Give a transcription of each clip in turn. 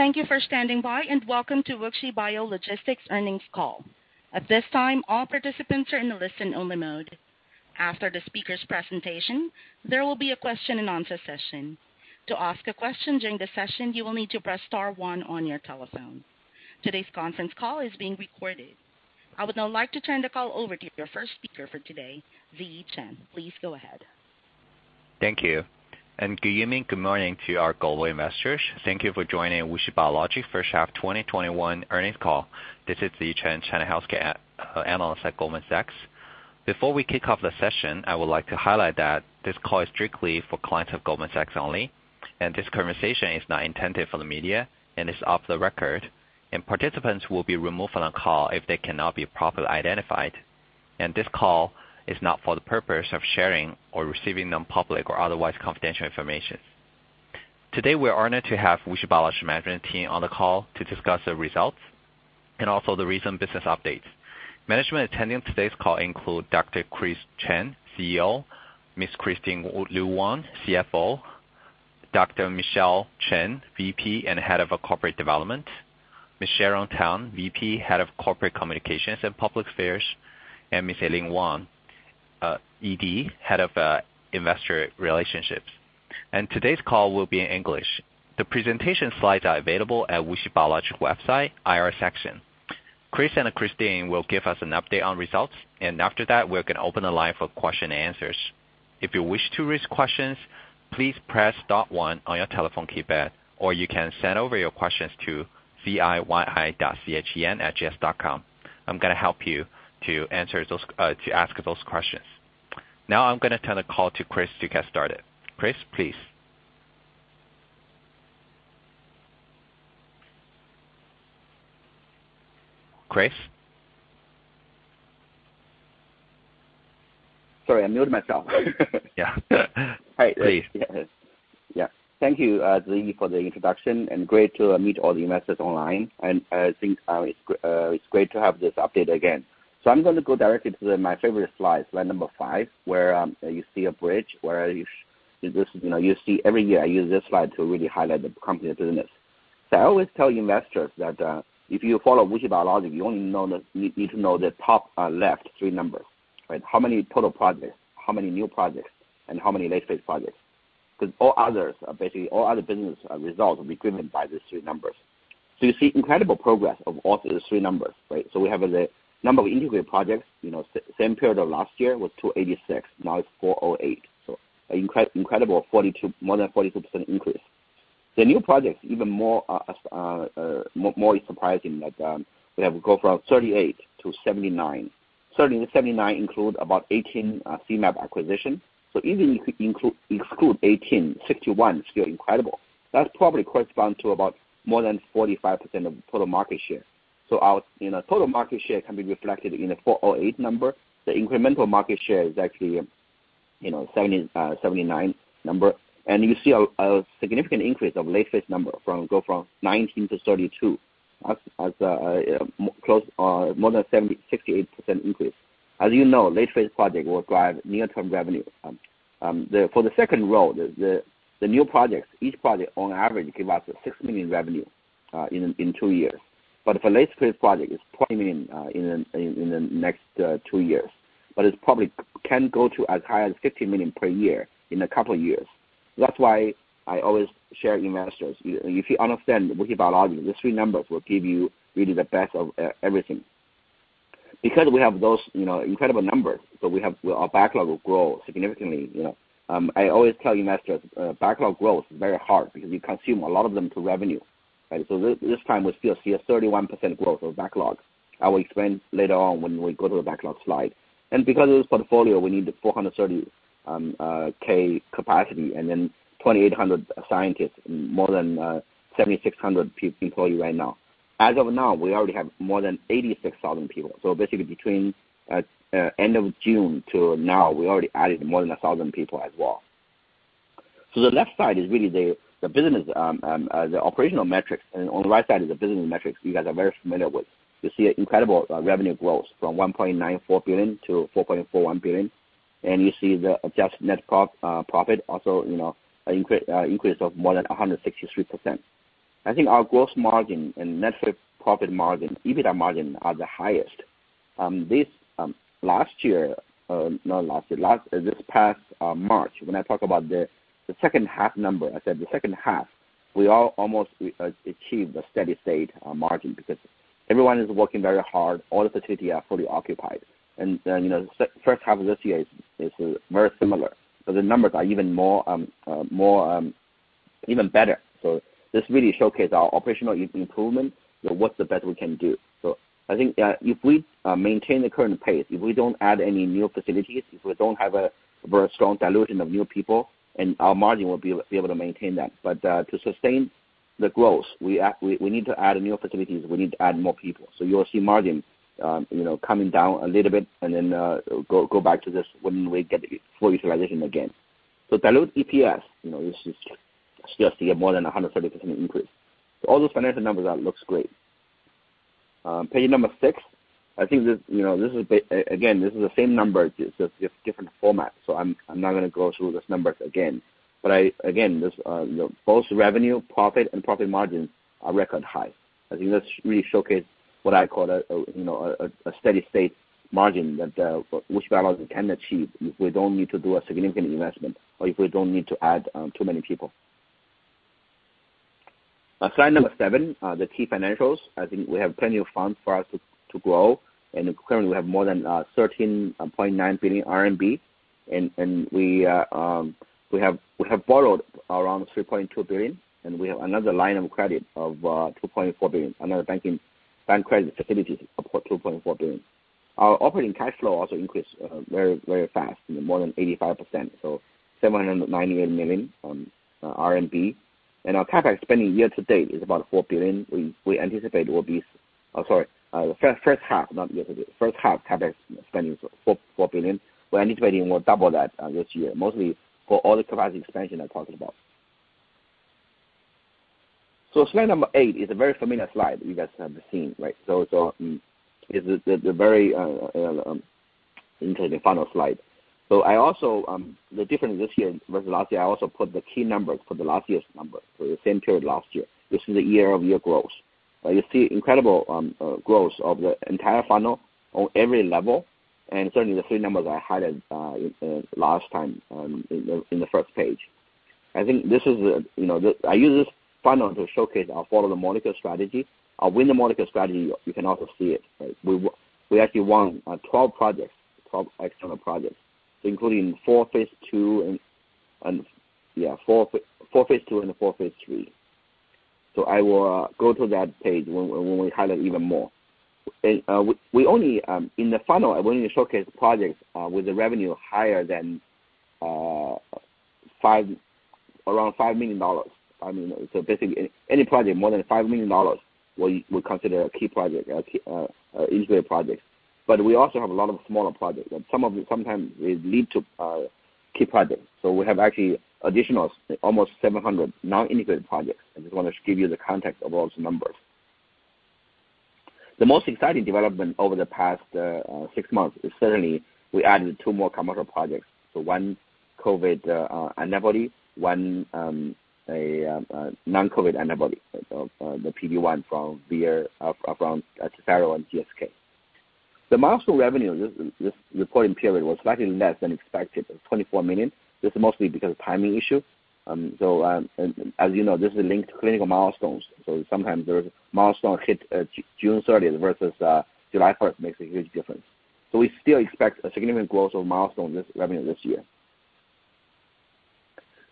Thank you for standing by, and welcome to WuXi Biologics' earnings call. At this time, all participants are in listen-only mode. After the speaker's presentation, there will be a question-and-answer session. To ask a question during the session, you will need to press star one on your telephone. Today's conference call is being recorded. I would now like to turn the call over to your first speaker for today, Ziyi Chen. Please go ahead. Thank you. Good evening, good morning to our global investors. Thank you for joining WuXi Biologics first half 2021 earnings call. This is Ziyi Chen, China healthcare analyst at Goldman Sachs. Before we kick off the session, I would like to highlight that this call is strictly for clients of Goldman Sachs only, and this conversation is not intended for the media and is off the record, and participants will be removed from the call if they cannot be properly identified. This call is not for the purpose of sharing or receiving non-public or otherwise confidential information. Today, we're honored to have WuXi Biologics management team on the call to discuss the results and also the recent business updates. Management attending today's call include Dr. Chris Chen, CEO; Miss Christine Lu-Wong, CFO; Dr. Michelle Chen, VP and Head of Corporate Development; Miss Sharon Tan, VP, Head of Corporate Communications and Public Affairs; and Miss Eileen Wang, ED, Head of Investor Relations. Today's call will be in English. The presentation slides are available at WuXi Biologics website, IR section. Chris and Christine will give us an update on results, and after that, we're going to open the line for question and answers. If you wish to raise questions, please press dot one on your telephone keypad, or you can send over your questions to ziyi-chen@gs.com. I'm going to help you to ask those questions. Now I'm going to turn the call to Chris to get started. Chris, please. Chris? Sorry, I muted myself. Yeah. Please. Yes. Thank you, Ziyi, for the introduction and great to meet all the investors online. I think it's great to have this update again. I'm going to go directly to my favorite slide number five, where you see a bridge, where you see every year, I use this slide to really highlight the company business. I always tell investors that if you follow WuXi Biologics, you only need to know the top left three numbers, right? How many total projects, how many new projects, and how many late phase projects. Because all others, basically all other business results will be driven by these three numbers. You see incredible progress of all these three numbers, right? We have the number of integrated projects, same period of last year was 286, now it's 408. An incredible more than 42% increase. The new projects, even more surprising that we have go from 38 to 79. 79 include about 18 CMAB acquisition, so even if you exclude 18, 61 is still incredible. That's probably correspond to about more than 45% of total market share. Our total market share can be reflected in the 408 number. The incremental market share is actually 79 number. You see a significant increase of late phase number, go from 19 to 32. That's more than 68% increase. As you know, late phase project will drive near-term revenue. For the second row, the new projects, each project on average give us $6 million revenue in two years. For late phase project, it's $20 million in the next two years. It probably can go to as high as $50 million per year in a couple of years. That is why I always share investors, if you understand WuXi Biologics, these three numbers will give you really the best of everything. We have those incredible numbers, our backlog will grow significantly. I always tell investors, backlog growth is very hard because you consume a lot of them to revenue, right? This time we still see a 31% growth of backlog. I will explain later on when we go to the backlog slide. Because of this portfolio, we need the 430,000 capacity and 2,800 scientists, more than 7,600 employee right now. As of now, we already have more than 86,000 people. Basically between end of June to now, we already added more than 1,000 people as well. The left side is really the operational metrics and on the right side is the business metrics you guys are very familiar with. You see an incredible revenue growth from 1.94 billion to 4.41 billion. You see the adjusted net profit also increase of more than 163%. I think our gross margin and net profit margin, EBITDA margin are the highest. This past March, when I talk about the second half number, I said the second half, we are almost achieve the steady state margin because everyone is working very hard, all the facilities are fully occupied. First half of this year is very similar, but the numbers are even better. This really showcase our operational improvement, what's the best we can do. I think if we maintain the current pace, if we don't add any new facilities, if we don't have a very strong dilution of new people, and our margin will be able to maintain that. To sustain the growth, we need to add new facilities, we need to add more people. You will see margin coming down a little bit and then go back to this when we get full utilization again. Diluted EPS still see a more than 130% increase. All those financial numbers look great. Page number six. Again, this is the same number, just different format. I'm not going to go through those numbers again. Again, both revenue, profit, and profit margins are record high. I think that really showcases what I call a steady state margin that WuXi Biologics can achieve if we don't need to do a significant investment or if we don't need to add too many people. Slide number seven, the key financials. I think we have plenty of funds for us to grow, and currently we have more than 13.9 billion RMB. We have borrowed around 3.2 billion, and we have another line of credit of 2.4 billion, another bank credit facility to support 2.4 billion. Our operating cash flow also increased very fast, more than 85%, so 798 million RMB. Our CapEx spending year to date is about 4 billion. First half, not year to date. First half CapEx spending is 4 billion. We are anticipating we will double that this year, mostly for all the capacity expansion I talked about. Slide number eight is a very familiar slide you guys have seen, right? It is the very interesting funnel slide. The difference this year versus last year, I also put the key numbers for the last year's number for the same period last year. This is the year-over-year growth, where you see incredible growth of the entire funnel on every level, and certainly the three numbers I highlighted last time in the first page. I use this funnel to showcase our Follow the Molecule strategy. Our Win the Molecule strategy, you can also see it. We actually won 12 projects, 12 external projects, including four phase II and four phase III. I will go to that page when we highlight even more. In the funnel, I only showcase projects with the revenue higher than around $5 million. Basically any project more than $5 million, we consider a key project, integrated project. We also have a lot of smaller projects. Sometimes they lead to key projects. We have actually additional almost 700 non-integrated projects. I just want to give you the context of all those numbers. The most exciting development over the past six months is certainly we added two more commercial projects. One COVID antibody, one non-COVID antibody, the PD-1 from Tesaro and GSK. The milestone revenue, this reporting period was slightly less than expected at 24 million. This is mostly because of timing issue. As you know, this is linked to clinical milestones. Sometimes the milestone hit June 30th versus July 1st makes a huge difference. We still expect a significant growth of milestone revenue this year.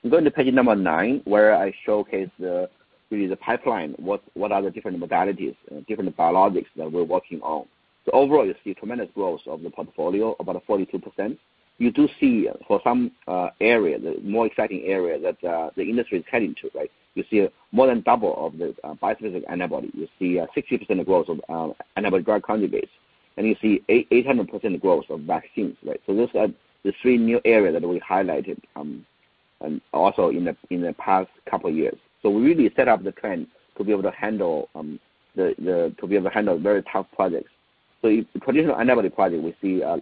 I'm going to page nine, where I showcase really the pipeline, what are the different modalities, different biologics that we're working on. Overall, you see tremendous growth of the portfolio, about 42%. You do see for some area, the more exciting area that the industry is heading to. You see more than double of the bispecific antibody. You see 60% growth of antibody-drug conjugates. You see 800% growth of vaccines. Those are the three new areas that we highlighted also in the past couple of years. We really set up the trend to be able to handle very tough projects. Traditional antibody project, we see a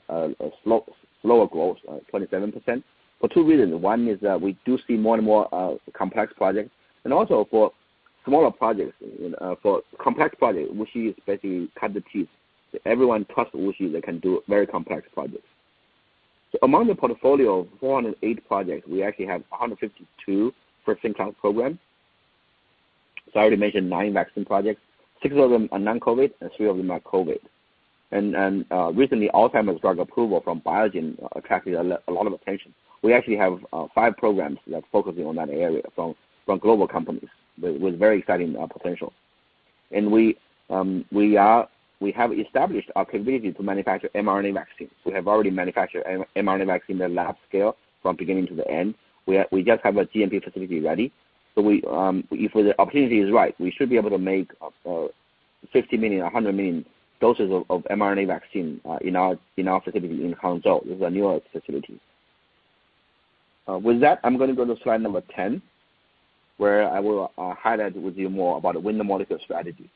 slower growth at 27% for two reasons. One is that we do see more and more complex projects and also for smaller projects. For complex projects, WuXi is basically cut the teeth. Everyone trusts WuXi. They can do very complex projects. Among the portfolio of 408 projects, we actually have 152 first-in-class programs. I already mentioned nine vaccine projects. Six of them are non-COVID, and three of them are COVID. Recently, Alzheimer's drug approval from Biogen attracted a lot of attention. We actually have five programs that focusing on that area from global companies with very exciting potential. We have established our capability to manufacture mRNA vaccines. We have already manufactured mRNA vaccine in the lab scale from beginning to the end. We just have a GMP facility ready. If the opportunity is right, we should be able to make 50 million, 100 million doses of mRNA vaccine in our facility in Hangzhou. This is a newer facility. With that, I'm going to go to slide number 10, where I will highlight with you more about Win the Molecule strategy.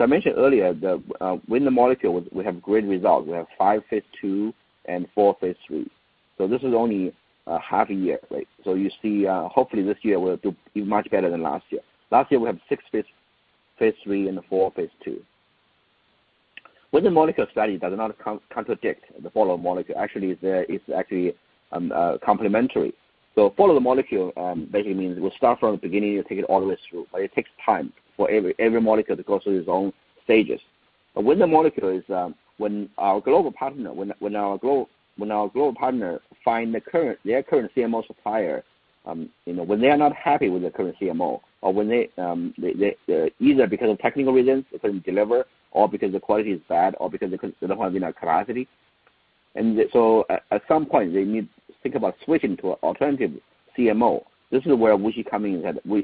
I mentioned earlier, the Win the Molecule, we have great results. We have five phase II and four phase III. This is only half a year. You see, hopefully this year we'll do much better than last year. Last year, we have six phase III and four phase II. Win the Molecule strategy does not contradict the Follow the Molecule. It's complementary. Follow the Molecule basically means we'll start from the beginning and take it all the way through. It takes time for every molecule to go through its own stages. Win the Molecule is when our global partner find their current CMO supplier, when they are not happy with their current CMO or when they either because of technical reasons they couldn't deliver or because the quality is bad or because they consider having a capacity. At some point, they need to think about switching to alternative CMO. This is where WuXi coming in that we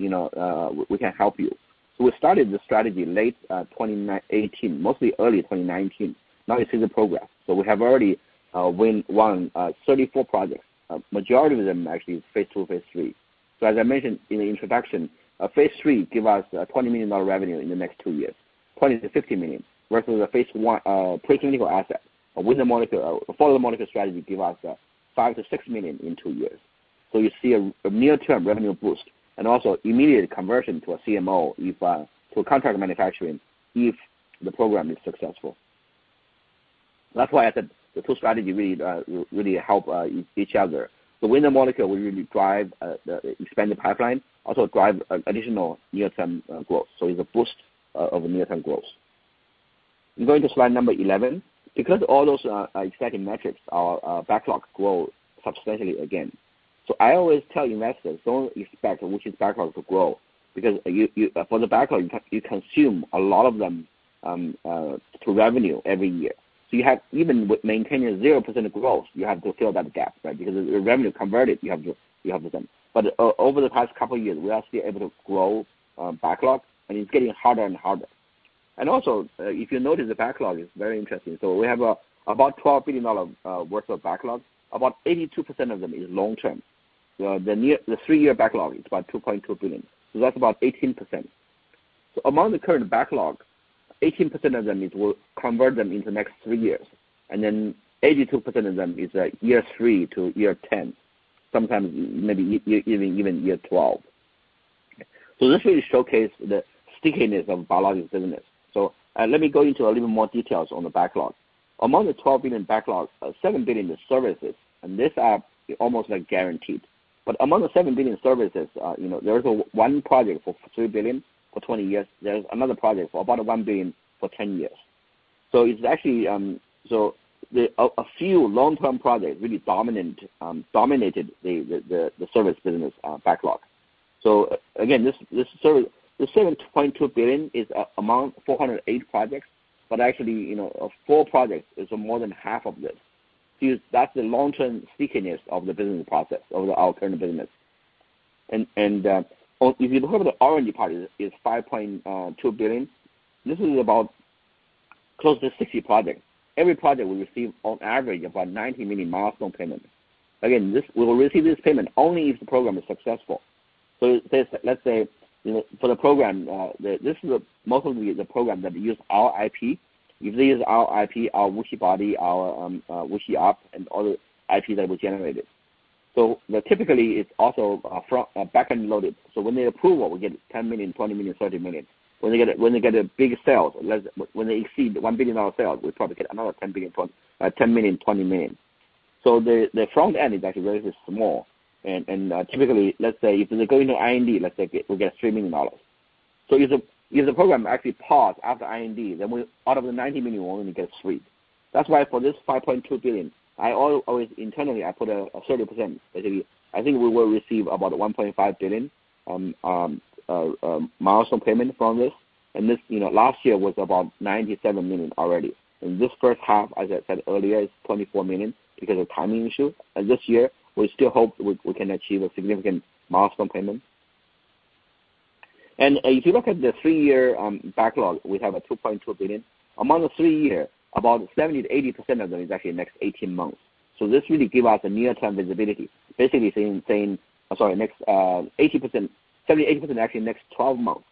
can help you. We started the strategy late 2018, mostly early 2019. Now you see the progress. We have already won 34 projects. Majority of them actually is phase II, phase III. as I mentioned in the introduction, phase III gives us $20 million revenue in the next two years, $20 million-$50 million, versus the phase I, preclinical asset. Follow the Molecule strategy give us $5 million-$6 million in two years. you see a near-term revenue boost and also immediate conversion to a CMO, to a contract manufacturing, if the program is successful. That's why I said the two strategies really help each other. The Win the Molecule will really drive the expanded pipeline, also drive additional near-term growth. it's a boost of near-term growth. I'm going to slide number 11. Because all those exciting metrics are backlog growth substantially again. I always tell investors, don't expect WuXi's backlog to grow because for the backlog, you consume a lot of them to revenue every year. Even with maintaining 0% growth, you have to fill that gap, right? Because the revenue converted, you have the same. Over the past couple years, we are still able to grow backlog, and it's getting harder and harder. Also, if you notice the backlog, it's very interesting. We have about $12 billion worth of backlog. About 82% of them is long-term. The three-year backlog is about $2.2 billion. That's about 18%. Among the current backlog, 18% of them we'll convert them in the next three years. 82% of them is year three to year 10, sometimes maybe even year 12. This really showcase the stickiness of biologics business. Let me go into a little more details on the backlog. Among the $12 billion backlog, $7 billion is services. This app is almost guaranteed. Among the $7 billion services, there is one project for $3 billion for 20 years. There's another project for about $1 billion for 10 years. A few long-term projects really dominated the service business backlog. This $7.2 billion is among 408 projects, but actually four projects is more than half of this. That's the long-term stickiness of the business process of our current business. If you look at the R&D part is $5.2 billion. This is about close to 60 projects. Every project will receive on average about $90 million milestone payment. We will receive this payment only if the program is successful. Let's say for the program, this is most of the program that use our IP. If they use our IP, our WuXiBody, our WuXiUP, and other IP that we generated. Typically, it's also backend loaded. When they approve what we get $10 million, $20 million, $30 million. When they get a big sale, when they exceed $1 billion sale, we probably get another $10 million, $20 million. The front end is actually very small. Typically, let's say if they go into R&D, let's say we get $3 million. If the program actually paused after R&D, then out of the $90 million, we're only going to get $3 million. That's why for this $5.2 billion, internally I put a 30%. Basically, I think we will receive about $1.5 billion on milestone payment from this. Last year was about $97 million already. This first half, as I said earlier, is $24 million because of timing issue. This year, we still hope we can achieve a significant milestone payment. If you look at the three-year backlog, we have a $2.2 billion. Among the three-year, about 70%-80% of them is actually next 18 months. This really give us a near-term visibility. Basically saying, I'm sorry, next 70%-80% actually next 12 months.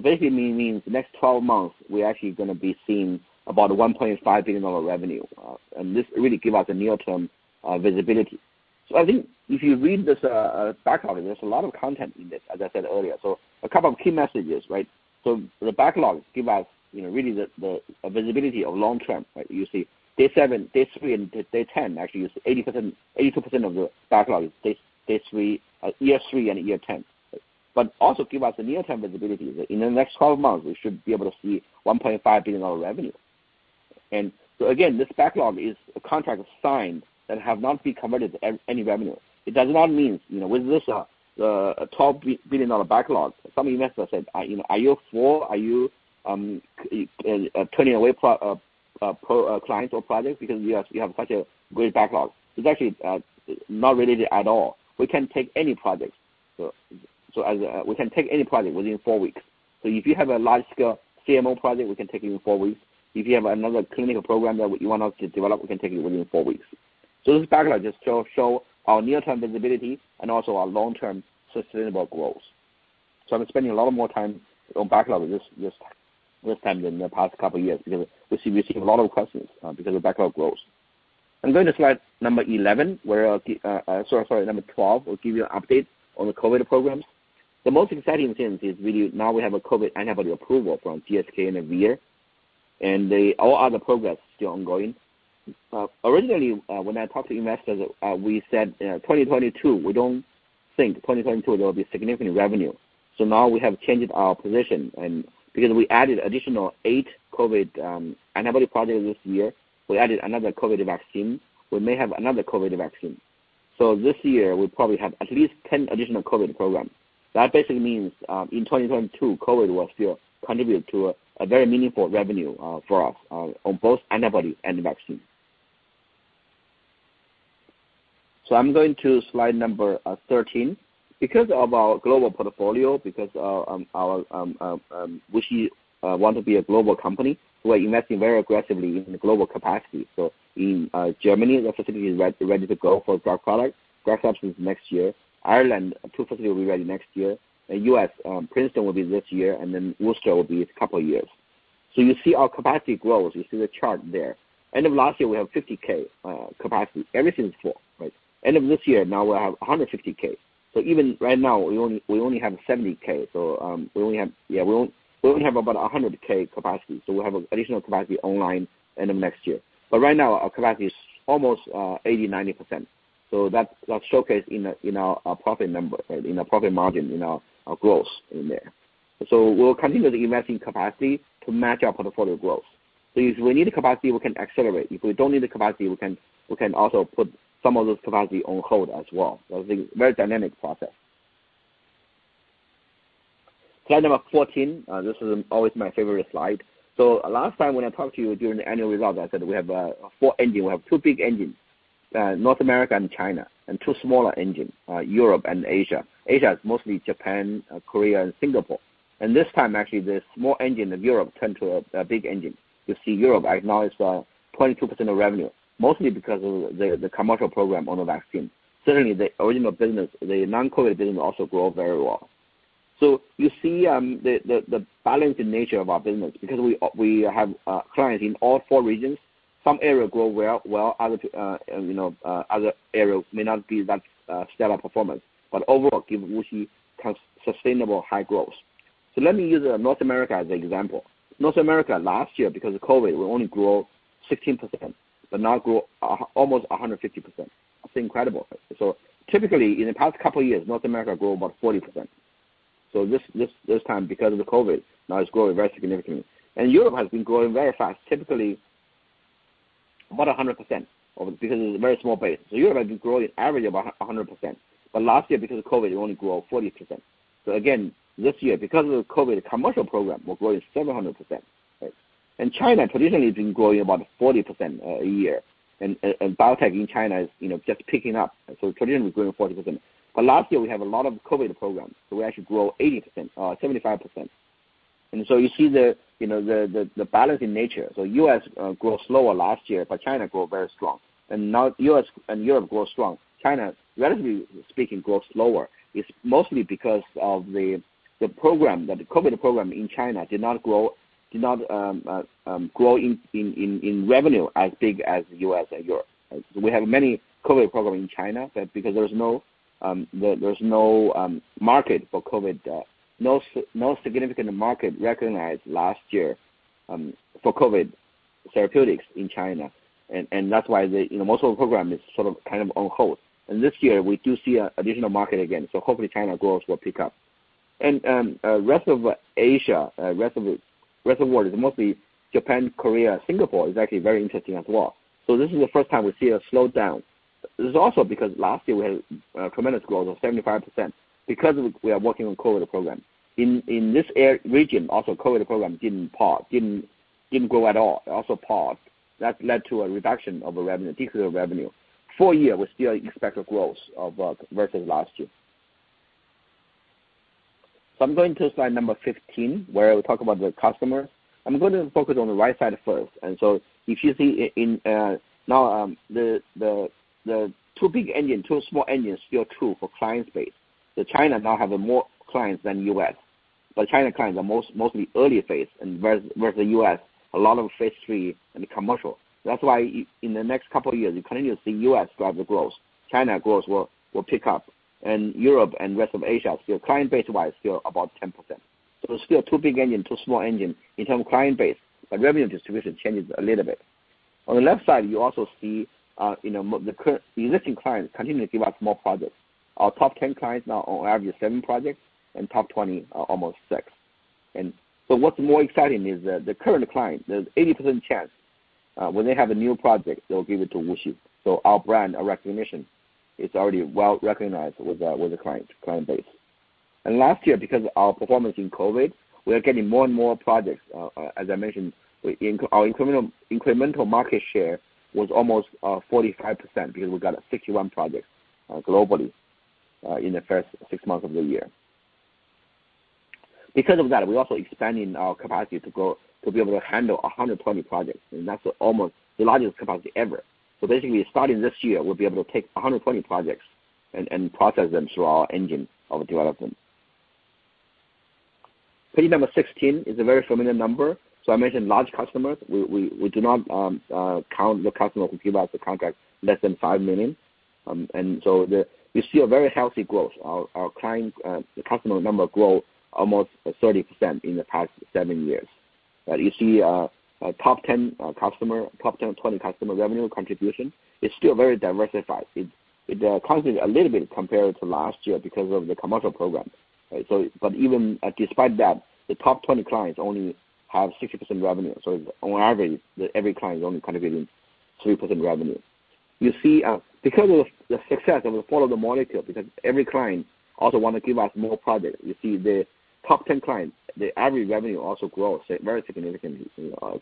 Basically, means the next 12 months, we're actually going to be seeing about $1.5 billion revenue. This really give us a near-term visibility. I think if you read this backlog, there's a lot of content in this, as I said earlier. A couple of key messages, right? The backlogs give us really the visibility of long term, right? You see day seven, day three, and day 10 actually is 82% of the backlog is year three and year 10. Also give us a near-term visibility. In the next 12 months, we should be able to see $1.5 billion revenue. Again, this backlog is a contract signed that have not been converted any revenue. It does not mean with this $12 billion backlog, some investors said, "Are you full? Are you turning away clients or projects because you have such a great backlog?" It's actually not related at all. We can take any project within four weeks. If you have a large scale CMO project, we can take it in four weeks. If you have another clinical program that you want us to develop, we can take it within four weeks. This backlog just show our near-term visibility and also our long-term sustainable growth. I'm spending a lot more time on backlog this time than the past couple years because we receive a lot of questions because of backlog growth. I'm going to slide number 11. Sorry, number 12 will give you an update on the COVID programs. The most exciting thing is really now we have a COVID antibody approval from GSK and Vir. All other progress still ongoing. Originally, when I talked to investors, we said 2022, we don't think 2022 there will be significant revenue. Now we have changed our position and because we added additional eight COVID antibody projects this year. We added another COVID vaccine. We may have another COVID vaccine. This year we probably have at least 10 additional COVID programs. That basically means in 2022, COVID will still contribute to a very meaningful revenue for us on both antibody and vaccine. I'm going to slide number 13. Because of our global portfolio, because WuXi want to be a global company, we're investing very aggressively in the global capacity. In Germany, the facility is ready to go for drug product, drug substance next year. Ireland, two facilities will be ready next year. In U.S., Princeton will be this year, and then Worcester will be a couple years. You see our capacity grows. You see the chart there. End of last year, we have 50,000 capacity. Everything is full, right? End of this year, now we have 150,000. Even right now we only have 70,000. We only have about 100,000 capacity. We have additional capacity online end of next year. Right now, our capacity is almost 80%-90%. That showcase in our profit number, in our profit margin, in our growth in there. We'll continue to invest in capacity to match our portfolio growth. If we need the capacity, we can accelerate. If we don't need the capacity, we can also put some of those capacity on hold as well. It's a very dynamic process. Slide number 14. This is always my favorite slide. Last time when I talked to you during the annual results, I said we have four engine. We have two big engines, North America and China, and two smaller engines, Europe and Asia. Asia is mostly Japan, Korea, and Singapore. This time, actually, the small engine of Europe turned to a big engine. You see Europe right now is 22% of revenue, mostly because of the commercial program on the vaccine. Certainly, the original business, the non-COVID business, also grow very well. You see the balancing nature of our business, because we have clients in all four regions. Some areas grow well; other areas may not give that stellar performance. Overall, give WuXi sustainable high growth. Let me use North America as an example. North America last year, because of COVID, we only grow 16%, but now grow almost 150%. It's incredible. Typically, in the past couple of years, North America grow about 40%. This time, because of the COVID, now it's growing very significantly. Europe has been growing very fast, typically about 100% because it's a very small base. Europe has been growing at average about 100%. Last year, because of COVID, it only grow 40%. Again, this year, because of the COVID commercial program, we're growing 700%, right? China traditionally has been growing about 40% a year. Biotech in China is just picking up. Traditionally growing 40%. Last year we have a lot of COVID programs, so we actually grow 80%, 75%. You see the balancing nature. U.S. grow slower last year, but China grow very strong. Now U.S. and Europe grow strong. China, relatively speaking, grows slower. It's mostly because of the program, the COVID program in China did not grow in revenue as big as U.S. and Europe. We have many COVID programs in China, but because there's no market for COVID, no significant market recognized last year for COVID therapeutics in China. That's why most of the program is sort of, kind of on hold. This year we do see additional market again. Hopefully China growth will pick up. Rest of Asia, rest of world is mostly Japan, Korea, Singapore, is actually very interesting as well. This is the first time we see a slowdown. This is also because last year we had tremendous growth of 75% because we are working on COVID program. In this region also, COVID program didn't grow at all. It also paused. That led to a reduction of revenue, decrease of revenue. Full year we still expect a growth versus last year. I'm going to slide number 15, where we talk about the customer. I'm going to focus on the right side first. Now, the two big engine, two small engines still true for client base. China now have a more clients than U.S. China clients are mostly early phase and whereas the U.S., a lot of phase III and commercial. That's why in the next couple of years, you continue to see U.S. driver growth. China growth will pick up and Europe and rest of Asia, still client base-wise, still about 10%. Still two big engine, two small engine in term of client base, but revenue distribution changes a little bit. On the left side, you also see the existing clients continue to give us more projects. Our top 10 clients now on average seven projects and top 20 are almost six. What's more exciting is that the current client, there's 80% chance when they have a new project they'll give it to WuXi. Our brand, our recognition is already well recognized with the client base. Last year, because our performance in COVID-19, we are getting more and more projects. As I mentioned, our incremental market share was almost 45% because we got 61 projects globally in the first six months of the year. We're also expanding our capacity to be able to handle 120 projects, and that's almost the largest capacity ever. Starting this year, we'll be able to take 120 projects and process them through our engine of development. Page number 16 is a very familiar number. I mentioned large customers. We do not count the customer who give us the contract less than $5 million. We see a very healthy growth. Our customer number grow almost 30% in the past seven years. You see our top 10 customer, top 10, 20 customer revenue contribution is still very diversified. It constant a little bit compared to last year because of the commercial program. Even despite that, the top 20 clients only have 60% revenue. On average, every client is only contributing 3% revenue. You see, because of the success of the Follow the Molecule, because every client also want to give us more project. You see the top 10 clients, the average revenue also grows very significantly.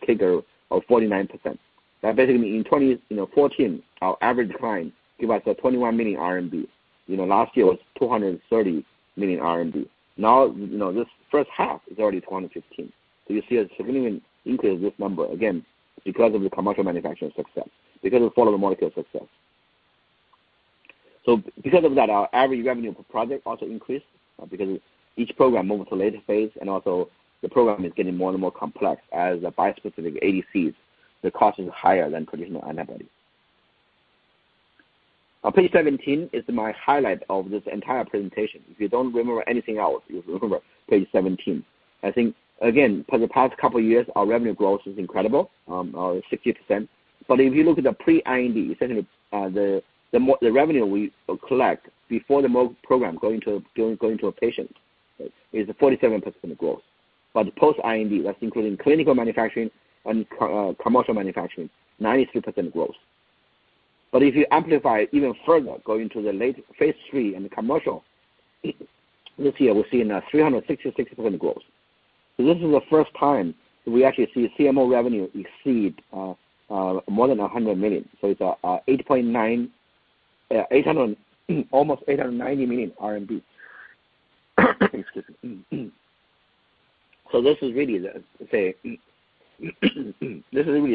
Take a 49%. That basically mean in 2014, our average client give us a 21 million RMB. Last year was 230 million RMB. Now this first half is already 215 million. You see a significant increase this number again because of the commercial manufacturing success, because of follow the molecule success. Because of that, our average revenue per project also increased because each program moved to a later phase, and also the program is getting more and more complex as a bispecific ADCs. The cost is higher than traditional antibodies. On page 17 is my highlight of this entire presentation. If you don't remember anything else, you remember page 17. I think, again, for the past couple of years, our revenue growth is incredible, 60%. If you look at the pre-IND, essentially, the revenue we collect before the program going to a patient is a 47% growth. Post-IND, that's including clinical manufacturing and commercial manufacturing, 93% growth. If you amplify even further, going to the late phase III and the commercial this year, we're seeing a 366% growth. This is the first time we actually see CMO revenue exceed more than $100 million. It's almost CNY 890 million. Excuse me. This is really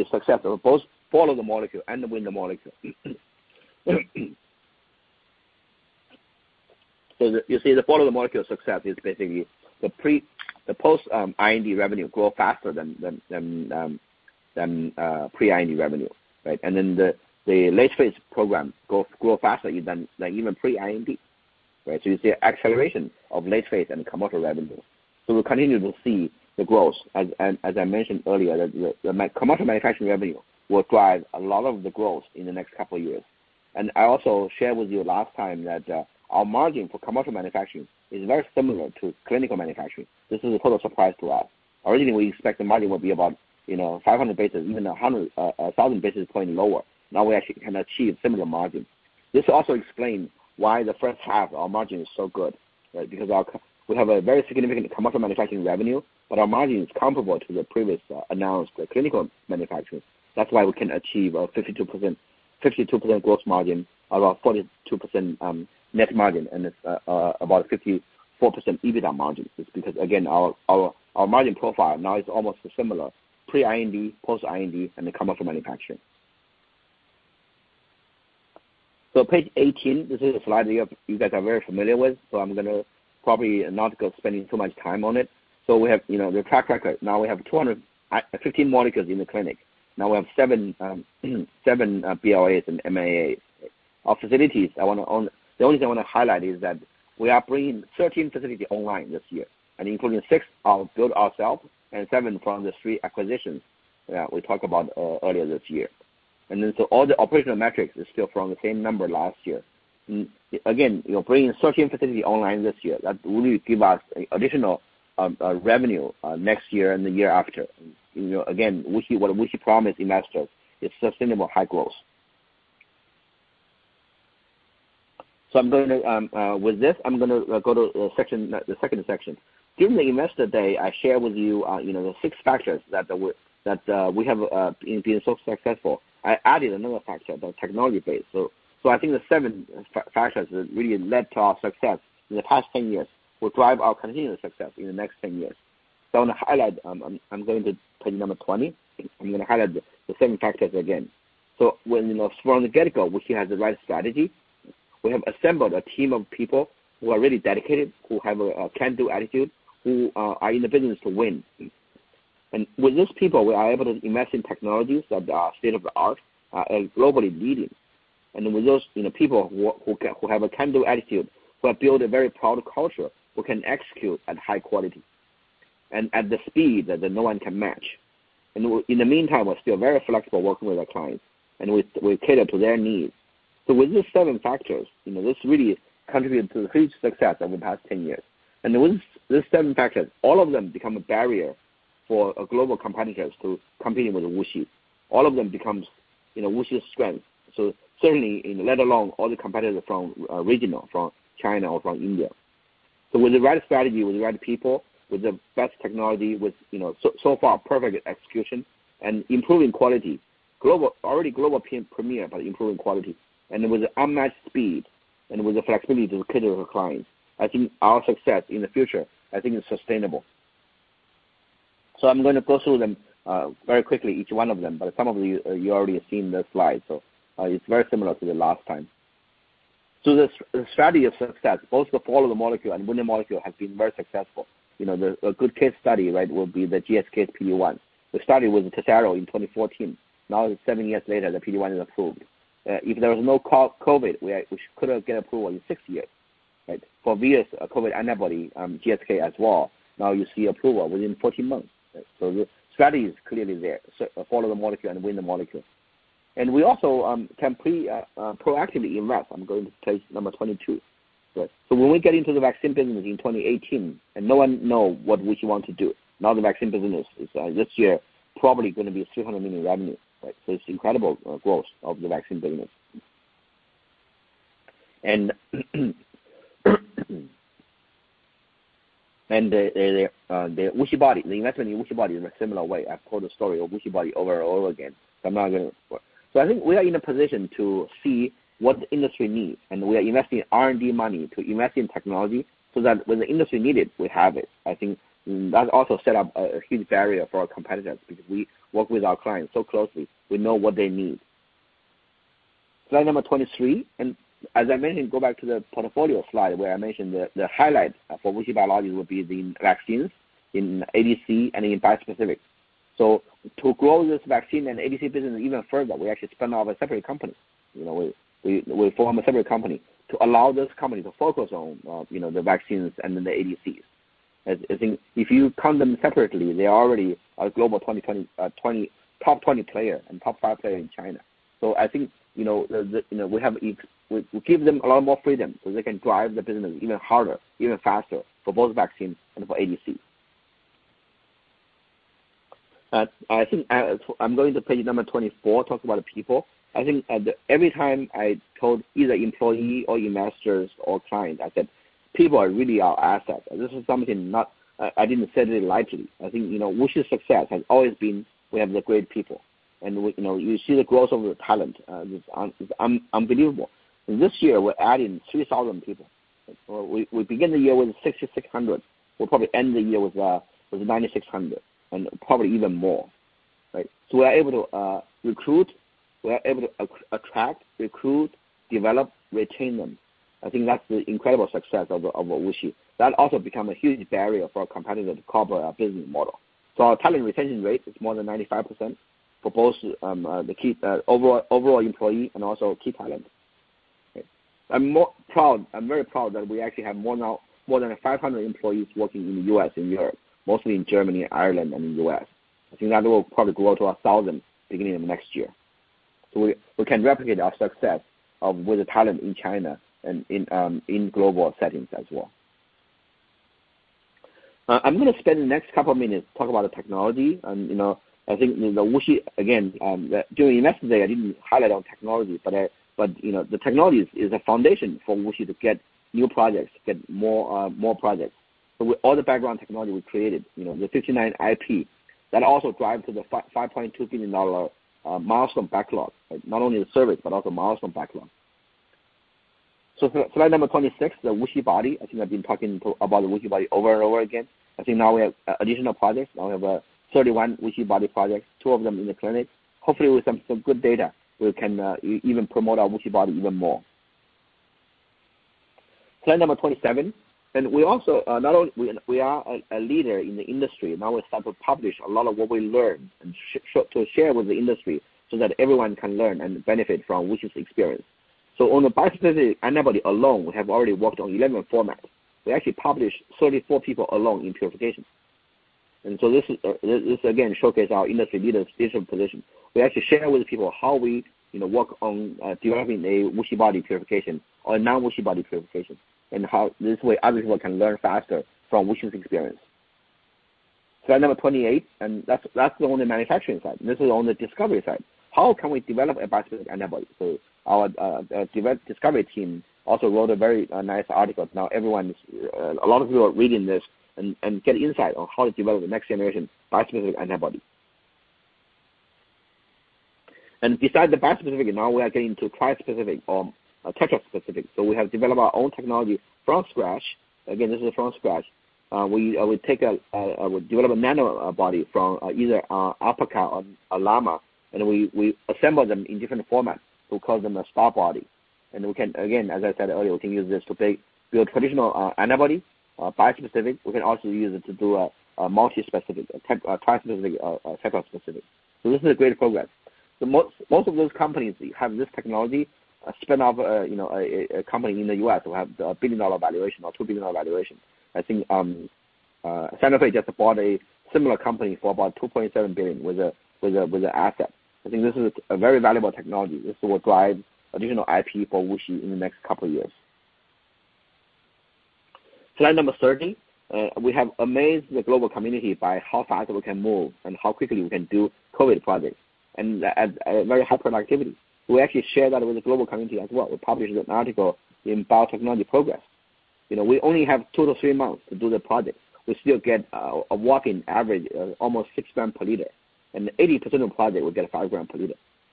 a success for both Follow the Molecule and Win the Molecule. You see the Follow the Molecule success is basically the post-IND revenue grow faster than pre-IND revenue, right? The late phase program grow faster than even pre-IND, right? You see acceleration of late phase and commercial revenue. We'll continue to see the growth. As I mentioned earlier, the commercial manufacturing revenue will drive a lot of the growth in the next couple of years. I also shared with you last time that our margin for commercial manufacturing is very similar to clinical manufacturing. This is a total surprise to us. Originally, we expect the margin will be about 500 basis, even 1,000 basis point lower. Now we actually can achieve similar margins. This also explains why the first half our margin is so good, right. Because we have a very significant commercial manufacturing revenue, but our margin is comparable to the previous announced clinical manufacturing. That's why we can achieve a 52% gross margin, about 42% net margin, and about 54% EBITDA margin. It's because, again, our margin profile now is almost similar pre-IND, post-IND, and the commercial manufacturing. Page 18, this is a slide you guys are very familiar with, so I'm going to probably not go spending too much time on it. We have the track record. Now we have 215 molecules in the clinic. Now we have seven BLAs and MAAs. Our facilities, the only thing I want to highlight is that we are bringing 13 facilities online this year and including six are built ourselves and seven from the three acquisitions that we talked about earlier this year. All the operational metrics is still from the same number last year. Again, bringing 13 facilities online this year, that will give us additional revenue next year and the year after. Again, what WuXi promised investors is sustainable high growth. With this, I'm going to go to the second section. During the investor day, I shared with you the six factors that we have been so successful. I added another factor, the technology base. I think the seven factors that really led to our success in the past 10 years will drive our continuous success in the next 10 years. I want to highlight, I'm going to page number 20. I'm going to highlight the seven factors again. From the get-go, WuXi has the right strategy. We have assembled a team of people who are really dedicated, who have a can-do attitude, who are in the business to win. And with those people, we are able to invest in technologies that are state-of-the-art and globally leading. With those people who have a can-do attitude, who have built a very proud culture who can execute at high quality and at the speed that no one can match. In the meantime, we're still very flexible working with our clients, and we cater to their needs. With these seven factors, this really contributed to the huge success over the past 10 years. With these seven factors, all of them become a barrier for global competitors to compete with WuXi. All of them becomes WuXi's strength. Certainly, let alone all the competitors from regional, from China or from India. With the right strategy, with the right people, with the best technology, with so far perfect execution and improving quality, already global premiere about improving quality, and with unmatched speed and with the flexibility to cater to our clients, I think our success in the future, I think, is sustainable. I'm going to go through them very quickly, each one of them, but some of you already have seen the slide, so it's very similar to the last time. The strategy of success, both the Follow the Molecule and Win the Molecule has been very successful. A good case study, right, will be the GSK's PD-1. We started with Tesaro in 2014. Now it's seven years later, the PD-1 is approved. If there was no COVID-19, we couldn't get approval in six years, right? For SARS-CoV-2 antibody, GSK as well, now you see approval within 14 months. The strategy is clearly there. Follow the Molecule and Win the Molecule. We also can pre-proactively invest. I'm going to page number 22. When we get into the vaccine business in 2018, no one know what WuXi want to do. Now the vaccine business is this year probably going to be $300 million revenue, right? It's incredible growth of the vaccine business. The WuXiBody, the investment in WuXiBody in a similar way. I've told the story of WuXiBody over and over again, so I'm not going to. I think we are in a position to see what the industry needs, and we are investing R&D money to invest in technology so that when the industry need it, we have it. I think that also set up a huge barrier for our competitors because we work with our clients so closely. We know what they need. Slide number 23. As I mentioned, go back to the portfolio slide where I mentioned the highlight for WuXi Biologics will be the vaccines in ADC and in bispecific. To grow this vaccine and ADC business even further, we actually spin off a separate company. We form a separate company to allow this company to focus on the vaccines and then the ADCs. I think if you count them separately, they already are global top 20 player and top five player in China. I think we give them a lot more freedom so they can drive the business even harder, even faster for both vaccines and for ADC. I think I'm going to page number 24, talk about people. I think every time I told either employee or investors or clients, I said, "People are really our asset." This is something I didn't said it lightly. I think WuXi's success has always been we have the great people. You see the growth of the talent, it's unbelievable. This year, we're adding 3,000 people. We begin the year with 6,600. We'll probably end the year with 9,600, and probably even more. Right. We're able to attract, recruit, develop, retain them. I think that's the incredible success of WuXi. That also become a huge barrier for our competitor to cover our business model. Our talent retention rate is more than 95% for both the overall employee and also key talent. I'm very proud that we actually have more than 500 employees working in the U.S. and Europe, mostly in Germany, Ireland, and the U.S. I think that will probably grow to 1,000 beginning of next year. We can replicate our success with the talent in China and in global settings as well. I'm going to spend the next couple of minutes talk about the technology and I think WuXi, again, during investors day, I didn't highlight on technology, but the technology is a foundation for WuXi to get new projects, to get more projects. With all the background technology we created, the 59 IP, that also drive to the $5.2 billion milestone backlog. Not only the service, but also milestone backlog. Slide number 26, the WuXiBody. I think I've been talking about the WuXiBody over and over again. I think now we have additional projects. Now we have 31 WuXiBody projects, two of them in the clinic. Hopefully, with some good data, we can even promote our WuXiBody even more. Slide number 27. We are a leader in the industry. Now we start to publish a lot of what we learned to share with the industry so that everyone can learn and benefit from WuXi's experience. On the bispecific antibody alone, we have already worked on 11 formats. We actually published 34 people alone in purification. This again showcase our industry leader position. We actually share with people how we work on deriving a WuXiBody purification or a non-WuXiBody purification, this way other people can learn faster from WuXi's experience. Slide number 28, that's only the manufacturing side. This is only the discovery side. How can we develop a bispecific antibody? Our discovery team also wrote a very nice article. A lot of people are reading this and get insight on how to develop the next generation bispecific antibody. Beside the bispecific, now we are getting to trispecific or tetraspecific. We have developed our own technology from scratch. Again, this is from scratch. We develop an antibody from either a alpaca or a llama, and we assemble them in different formats. We call them a SDArBodY. Again, as I said earlier, we can use this to build traditional antibody or bispecific. We can also use it to do a multispecific, a trispecific, tetraspecific. This is a great progress. Most of those companies have this technology spin off a company in the U.S. who have a $1 billion valuation or $2 billion valuation. I think Sanofi just bought a similar company for about $2.7 billion with an asset. I think this is a very valuable technology. This will drive additional IP for WuXi in the next couple of years. Slide number 30. We have amazed the global community by how fast we can move and how quickly we can do COVID projects at a very high productivity. We actually share that with the global community as well. We published an article in Biotechnology Progress. We only have two to three months to do the project. We still get a walking average almost 6 g/L, and 80% of project will get a 5 g/L.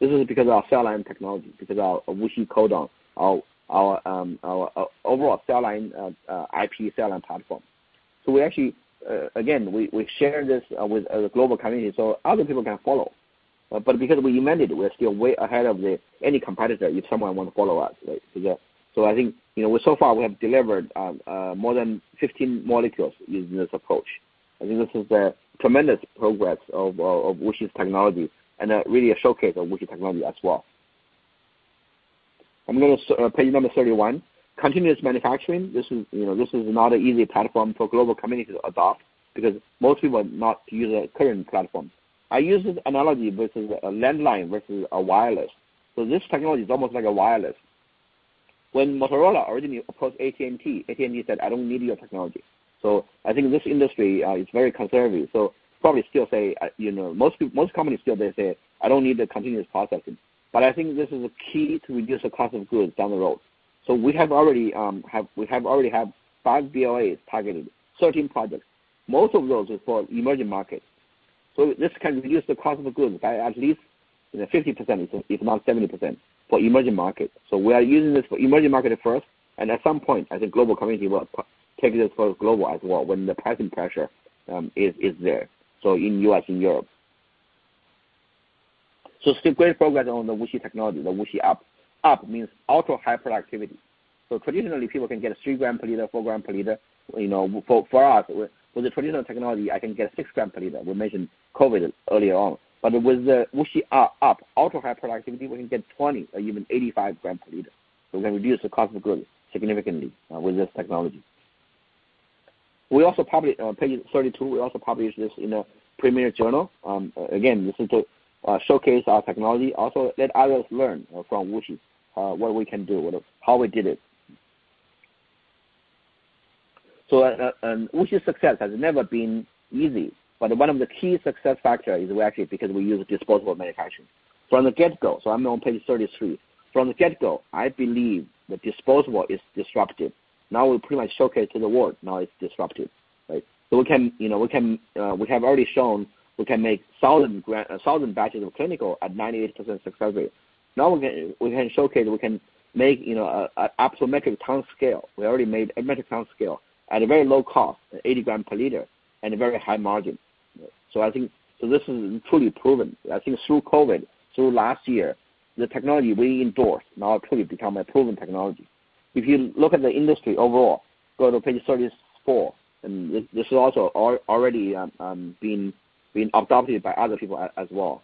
This is because of our cell line technology, because our WuXi Codon, our overall IP cell line platform. Again, we share this with the global community so other people can follow. Because we invented, we're still way ahead of any competitor if someone want to follow us. I think so far we have delivered more than 15 molecules using this approach. I think this is a tremendous progress of WuXi's technology and really a showcase of WuXi technology as well. I'm going to page number 31. Continuous manufacturing. This is not an easy platform for global community to adopt because most people not use a current platform. I use this analogy versus a landline versus a wireless. This technology is almost like a wireless. When Motorola originally approached AT&T, AT&T said, "I don't need your technology." I think this industry is very conservative. Probably most companies still they say, "I don't need the continuous processing." I think this is a key to reduce the cost of goods down the road. We have already have five BLAs targeted, 13 projects. Most of those is for emerging markets. This can reduce the cost of the goods by at least 50%, if not 70%, for emerging markets. We are using this for emerging market first, and at some point, I think global community will take this for global as well when the pricing pressure is there, in U.S. and Europe. Still great progress on the WuXi technology, the WuXiUP. UP means ultra-high productivity. Traditionally, people can get 3 g/L, 4 g/L. For us, with the traditional technology, I can get 6 g/L. We mentioned COVID-19 earlier on, but with the WuXiUP, ultra-high productivity, we can get 20 or even 85 g/L. We can reduce the cost of goods significantly with this technology. Page 32, we also published this in a premier journal. This is to showcase our technology, also let others learn from WuXi what we can do, how we did it. WuXi's success has never been easy, but one of the key success factors is actually because we use disposable manufacturing. I'm now on page 33. From the get-go, I believe the disposable is disruptive. We pretty much showcase to the world now it's disruptive, right? We have already shown we can make 1,000 batches of clinical at 98% success rate. We can showcase we can make a up to a metric ton scale. We already made a metric ton scale at a very low cost, 80 g/L, and a very high margin. I think this is truly proven. I think through COVID, through last year, the technology we endorsed now could become a proven technology. If you look at the industry overall, go to page 34. This is also already being adopted by other people as well.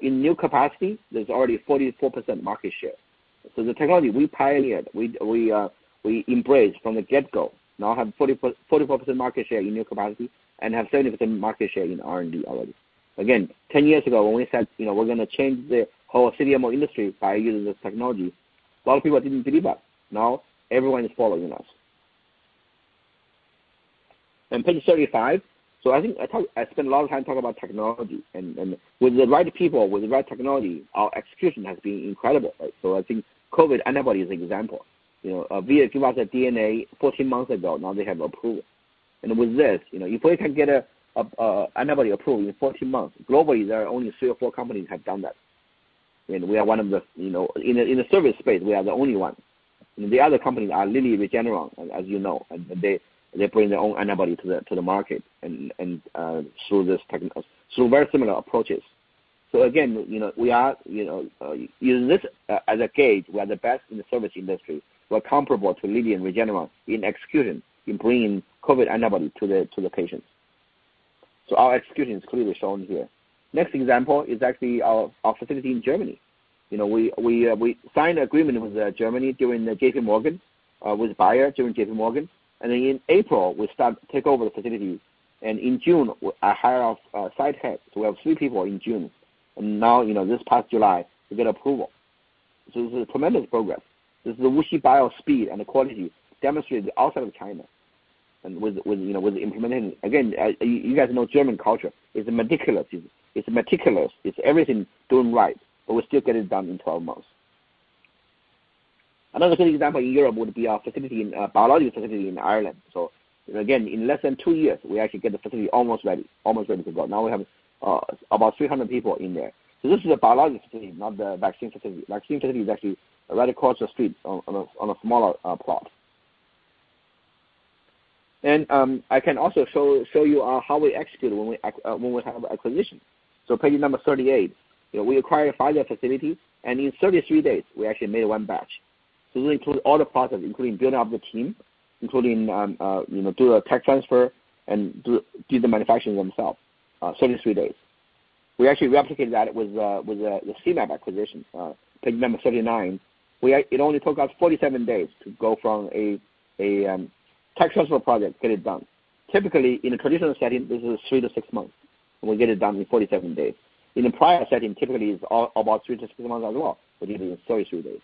In new capacity, there's already 44% market share. The technology we pioneered, we embraced from the get-go now have 44% market share in new capacity and have 30% market share in R&D already. Again, 10 years ago, when we said, we're going to change the whole CDMO industry by using this technology, a lot of people didn't believe us. Now everyone is following us. Page 35. I think I spent a lot of time talking about technology. With the right people, with the right technology, our execution has been incredible. I think COVID antibody is an example. A few months of DNA, 14 months ago, now they have approved. With this, if we can get an antibody approved in 14 months, globally, there are only three or four companies have done that. In the service space, we are the only one. The other companies are Lilly, Regeneron, as you know, and they bring their own antibody to the market and through very similar approaches. Again, use this as a gauge. We are the best in the service industry. We're comparable to Lilly and Regeneron in execution, in bringing COVID antibody to the patients. Our execution is clearly shown here. Next example is actually our facility in Germany. We signed an agreement with Germany through JPMorgan, with Bayer through JPMorgan. Then in April, we start to take over the facility. In June, I hire our site heads. We have three people in June. Now, this past July, we get approval. This is a tremendous progress. This is the WuXi Bio Speed and the quality demonstrated outside of China and with implementing. Again, you guys know German culture. It's meticulous. It's everything doing right, but we still get it done in 12 months. Another good example in Europe would be our biologic facility in Ireland. Again, in less than two years, we actually get the facility almost ready to go. Now we have about 300 people in there. This is a biologic facility, not the vaccine facility. Vaccine facility is actually right across the street on a smaller plot. I can also show you how we execute when we have an acquisition. page number 38. We acquire five facilities, and in 33 days, we actually made one batch. This includes all the process, including building up the team, including, do a tech transfer and do the manufacturing themselves. 33 days. We actually replicated that with the CMAB acquisition. Page number 39. It only took us 47 days to go from a tech transfer project, get it done. Typically, in a traditional setting, this is three to six months, and we get it done in 47 days. In a prior setting, typically it's about three to six months as well, but this is in 33 days.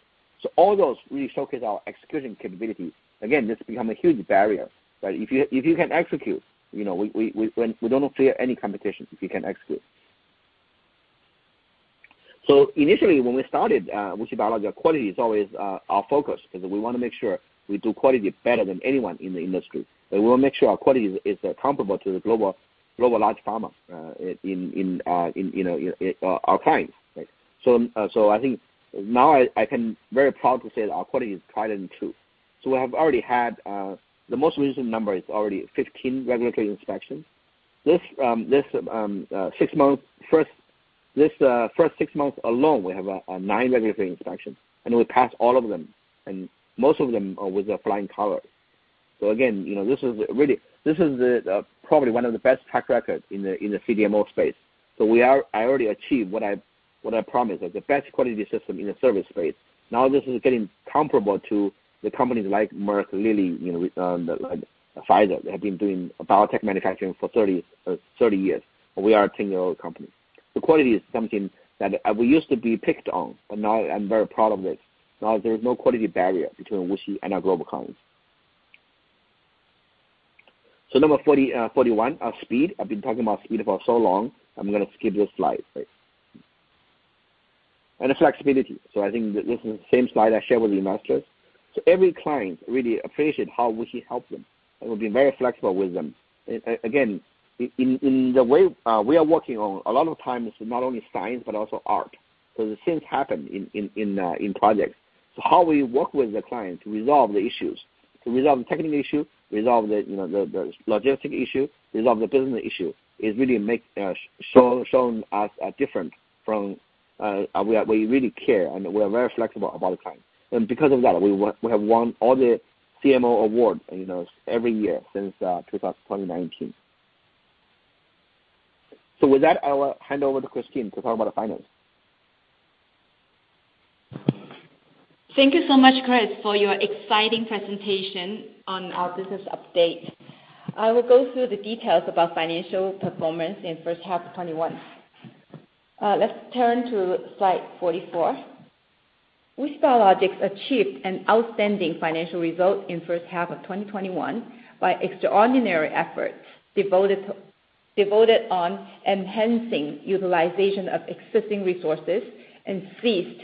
All those really showcase our execution capabilities. Again, this become a huge barrier, right? If you can execute, we don't fear any competitions if you can execute. Initially when we started WuXi Biologics, our quality is always our focus because we want to make sure we do quality better than anyone in the industry. We want to make sure our quality is comparable to the global large pharma in our clients. I think now I can very proudly say that our quality is tried and true. We have already had, the most recent number is already 15 regulatory inspections. This first six months alone, we have nine regulatory inspections, and we passed all of them, and most of them with flying colors. Again, this is probably one of the best track records in the CDMO space. I already achieved what I promised, that the best quality system in the service space. Now this is getting comparable to the companies like Merck, Lilly, Pfizer, that have been doing biotech manufacturing for 30 years. We are a 10-year-old company. Quality is something that we used to be picked on, but now I'm very proud of this. Now there is no quality barrier between WuXi and our global clients. So number 41, our speed. I've been talking about speed for so long. I'm going to skip this slide. The flexibility. I think this is the same slide I shared with investors. Every client really appreciates how WuXi help them, and we'll be very flexible with them. Again, in the way we are working on, a lot of times it's not only science but also art. The things happen in projects. How we work with the client to resolve the technical issue, resolve the logistic issue, resolve the business issue, it really shown us as different from. We really care, and we are very flexible about time. Because of that, we have won all the CMO awards every year since 2019. With that, I will hand over to Christine to talk about the finance. Thank you so much, Chris, for your exciting presentation on our business update. I will go through the details about financial performance in first half of 2021. Let's turn to slide 44. WuXi Biologics achieved an outstanding financial result in first half of 2021 by extraordinary efforts devoted on enhancing utilization of existing resources and seized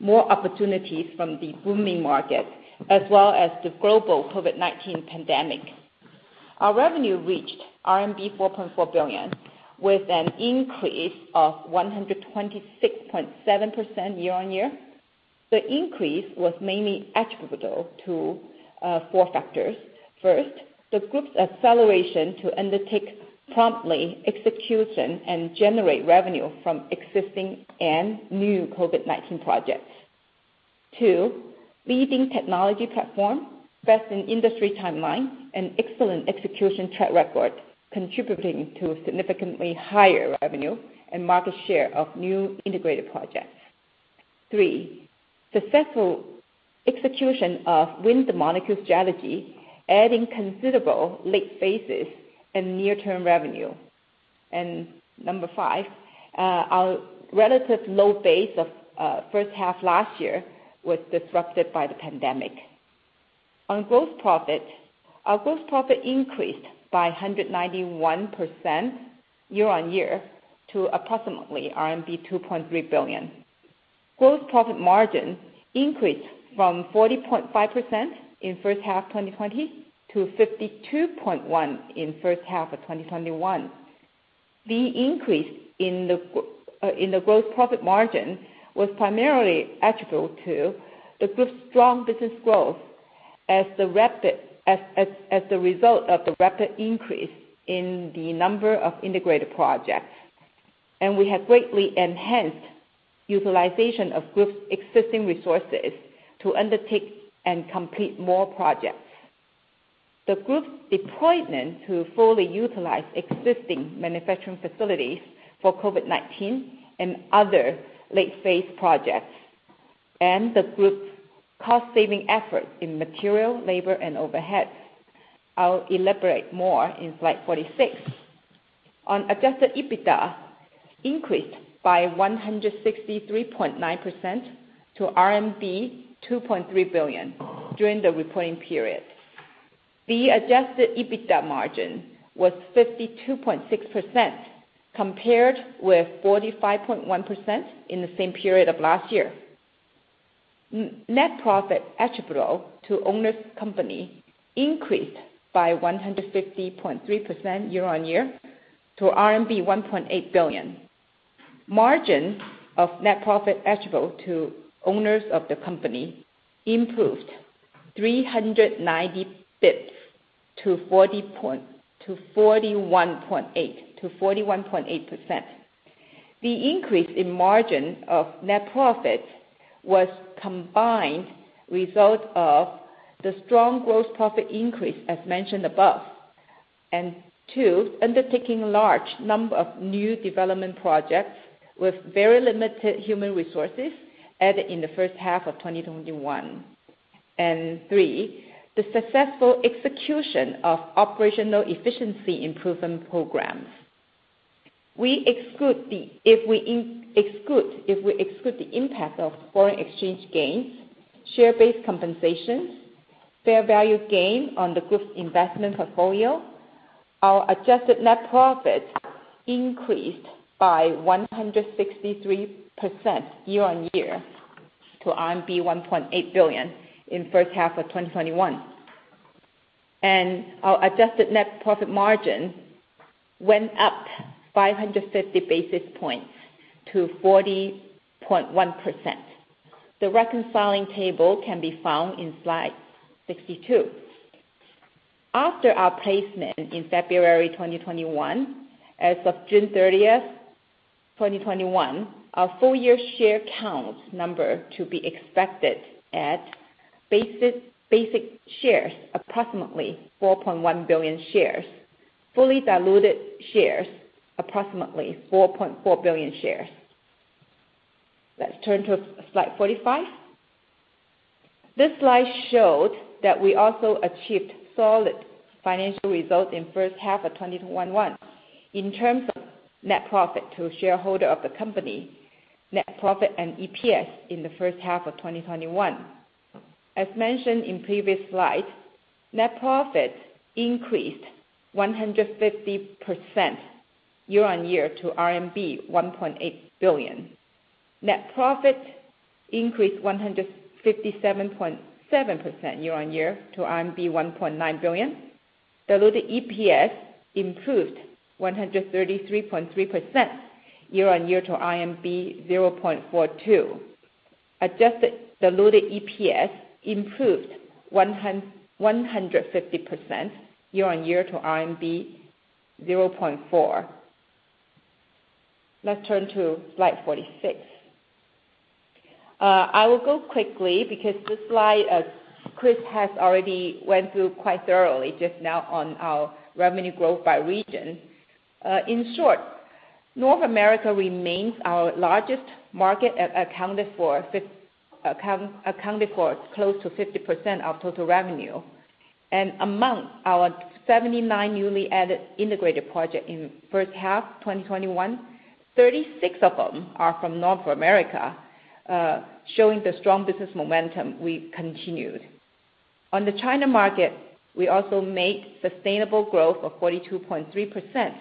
more opportunities from the booming market, as well as the global COVID-19 pandemic. Our revenue reached RMB 4.4 billion, with an increase of 126.7% year-on-year. The increase was mainly attributable to four factors. First, the group's acceleration to undertake promptly execution and generate revenue from existing and new COVID-19 projects. Two, leading technology platform, best in industry timeline, and excellent execution track record contributing to significantly higher revenue and market share of new integrated projects. Three, successful execution of Win the Molecule strategy, adding considerable late phases and near-term revenue. And number five, our relative low base of first half last year was disrupted by the pandemic. Gross profit, our gross profit increased by 191% year-on-year to approximately RMB 2.3 billion. Gross profit margin increased from 40.5% in first half 2020 to 52.1% in first half of 2021. The increase in the gross profit margin was primarily attributable to the group's strong business growth as the result of the rapid increase in the number of integrated projects. We have greatly enhanced utilization of group's existing resources to undertake and complete more projects. The group's deployment to fully utilize existing manufacturing facilities for COVID-19 and other late-phase projects, and the group's cost-saving efforts in material, labor, and overhead. I'll elaborate more in slide 46. Adjusted EBITDA increased by 163.9% to RMB 2.3 billion during the reporting period. The adjusted EBITDA margin was 52.6%, compared with 45.1% in the same period of last year. Net profit attributable to owner's company increased by 150.3% year-on-year to CNY 1.8 billion. Margin of net profit attributable to owners of the company improved 390 basis points to 41.8%. The increase in margin of net profit was combined result of the strong gross profit increase, as mentioned above. Two, undertaking large number of new development projects with very limited human resources added in the first half of 2021. Three, the successful execution of operational efficiency improvement programs. If we exclude the impact of foreign exchange gains, share-based compensations, fair value gain on the group's investment portfolio, our adjusted net profit increased by 163% year-on-year to RMB 1.8 billion in first half of 2021. Our adjusted net profit margin went up 550 basis points to 40.1%. The reconciling table can be found in slide 62. After our placement in February 2021, as of June 30th, 2021, our full-year share count number to be expected at basic shares, approximately 4.1 billion shares. Fully diluted shares, approximately 4.4 billion shares. Let's turn to slide 45. This slide showed that we also achieved solid financial results in first half of 2021 in terms of net profit to shareholder of the company, net profit and EPS in the first half of 2021. As mentioned in previous slide, net profit increased 150% year-on-year to CNY 1.8 billion. Net profit increased 157.7% year-on-year to RMB 1.9 billion. Diluted EPS improved 133.3% year-on-year to RMB 0.42. Adjusted diluted EPS improved 150% year-on-year to CNY 0.4. Let's turn to slide 46. I will go quickly because this slide, Chris has already went through quite thoroughly just now on our revenue growth by region. In short, North America remains our largest market, accounting for close to 50% of total revenue. Among our 79 newly added integrated project in first half 2021, 36 of them are from North America, showing the strong business momentum we continued. On the China market, we also make sustainable growth of 42.3%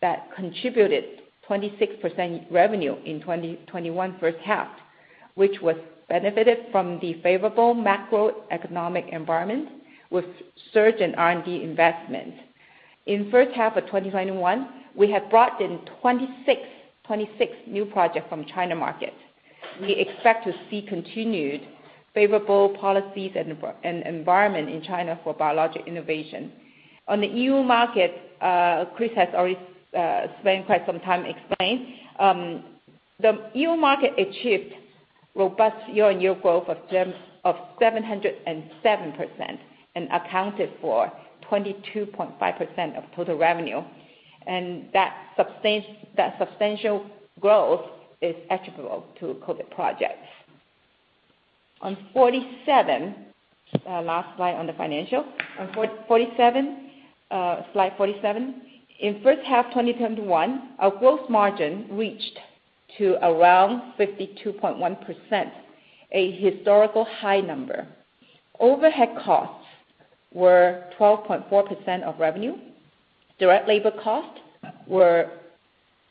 that contributed 26% revenue in 2021 first half, which was benefited from the favorable macroeconomic environment with surge in R&D investment. In first half of 2021, we have brought in 26 new projects from China market. We expect to see continued favorable policies and environment in China for biologic innovation. On the EU market, Chris has already spent quite some time explaining. The EU market achieved robust year-on-year growth of 707% and accounted for 22.5% of total revenue, that substantial growth is attributable to COVID projects. On 47, last slide on the financial. On slide 47, in first half 2021, our gross margin reached to around 52.1%, a historical high number. Overhead costs were 12.4% of revenue, direct labor costs were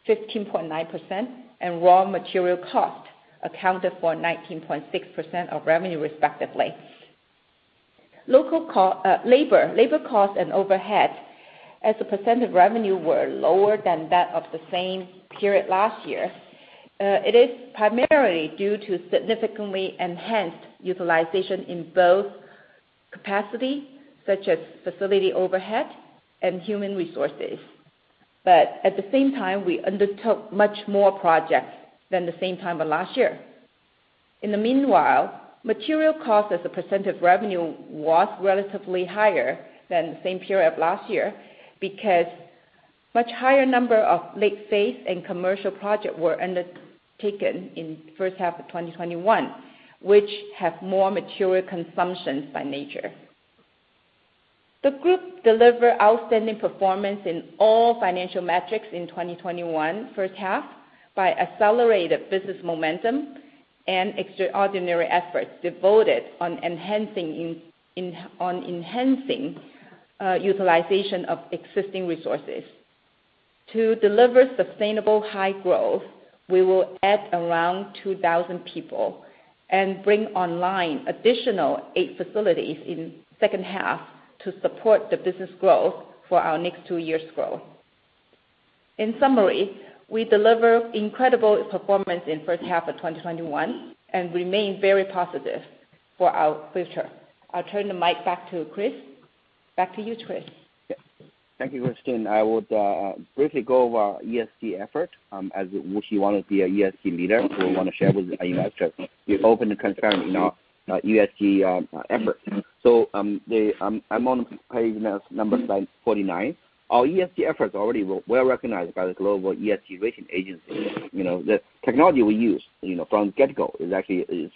15.9%, and raw material cost accounted for 19.6% of revenue, respectively. Labor costs and overhead as a percent of revenue were lower than that of the same period last year. It is primarily due to significantly enhanced utilization in both capacity such as facility overhead and human resources. At the same time, we undertook much more projects than the same time of last year. In the meanwhile, material cost as a % of revenue was relatively higher than the same period of last year because much higher number of late phase and commercial project were undertaken in first half of 2021, which have more mature consumptions by nature. The group deliver outstanding performance in all financial metrics in 2021 first half by accelerated business momentum and extraordinary efforts devoted on enhancing utilization of existing resources. To deliver sustainable high growth, we will add around 2,000 people and bring online additional eight facilities in second half to support the business growth for our next two years' growth. In summary, we deliver incredible performance in first half of 2021 and remain very positive for our future. I'll turn the mic back to Chris. Back to you, Chris. Yeah. Thank you, Christine. I would briefly go over our ESG effort, as WuXi want to be a ESG leader. We want to share with you guys just we are open and transparent in our ESG effort. I'm on page number slide 49. Our ESG efforts are already well-recognized by the global ESG rating agency. The technology we use from the get-go is actually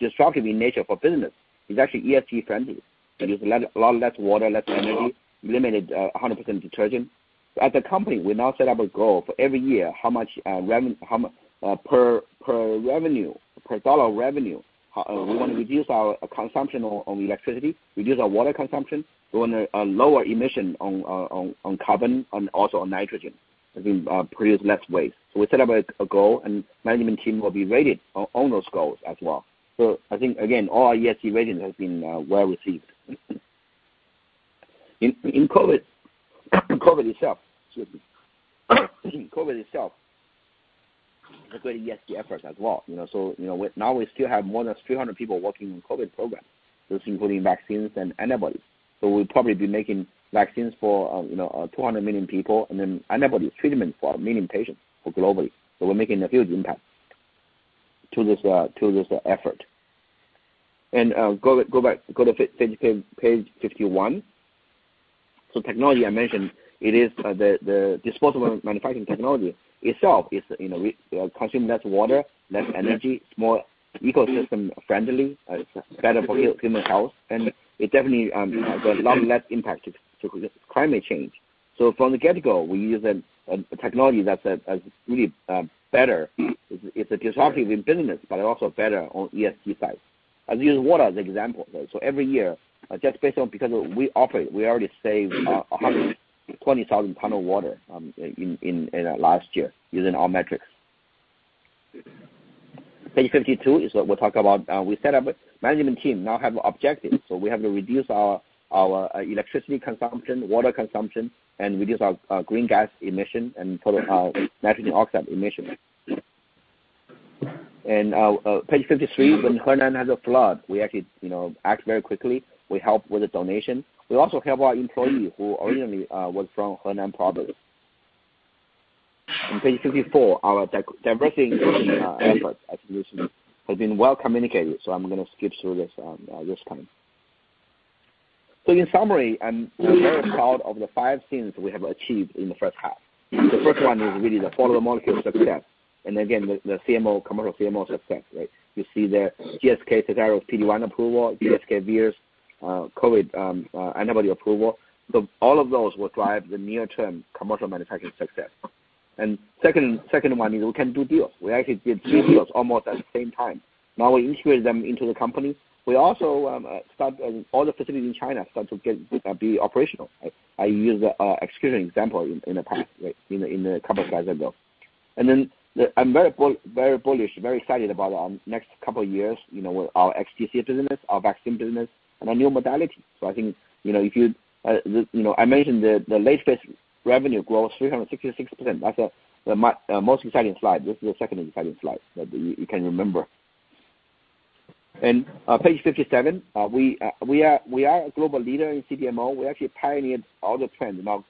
disruptively nature for business. It's actually ESG friendly. It use a lot less water, less energy, limited 100% detergent. As a company, we now set up a goal for every year how much per revenue, per dollar of revenue, we want to reduce our consumption on electricity, reduce our water consumption. We want a lower emission on carbon and also on nitrogen and produce less waste. We set up a goal, and management team will be rated on those goals as well. I think, again, all our ESG ratings have been well-received. In COVID itself, integrated ESG efforts as well. Now we still have more than 300 people working on COVID program. It's including vaccines and antibodies. We'll probably be making vaccines for 200 million people, and then antibody treatment for 1 million patients globally. We're making a huge impact to this effort. Go to page 51. Technology I mentioned, it is the disposable manufacturing technology itself is consume less water, less energy. It's more ecosystem friendly. It's better for human health. It definitely has a lot less impact to climate change. From the get-go, we use a technology that's really better. It's disruptive in business, but also better on ESG side. I'll use water as example. Every year, just based on because we operate, we already saved 120,000 ton of water in last year using our metrics. Page 52 is what we'll talk about. We set up a management team, now have objectives. We have to reduce our electricity consumption, water consumption, and reduce our green gas emission and total nitrogen oxide emission. Page 53, when Henan had a flood, we actually act very quickly. We help with the donation. We also help our employee who originally was from Henan province. On Page 54, our diversity inclusion efforts have been well communicated, so I'm going to skip through this this time. In summary, I'm very proud of the five things we have achieved in the first half. The first one is really the follow the molecule success. Again, the commercial CMO success. You see the GSK/Tesaro PD-1 approval, GSK/Vir's COVID-19 antibody approval. All of those will drive the near-term commercial manufacturing success. Second one is we can do deals. We actually did three deals almost at the same time. Now we integrate them into the company. We also start all the facilities in China, start to be operational. I use the existing example in the past, in a couple slides ago. I'm very bullish, very excited about our next couple of years, with our ex-China business, our vaccine business, and our new modality. I think, I mentioned the late-phase revenue grows 366%. That's the most exciting slide. This is the second exciting slide that you can remember. In page 57, we are a global leader in CDMO. We actually pioneered all the trends now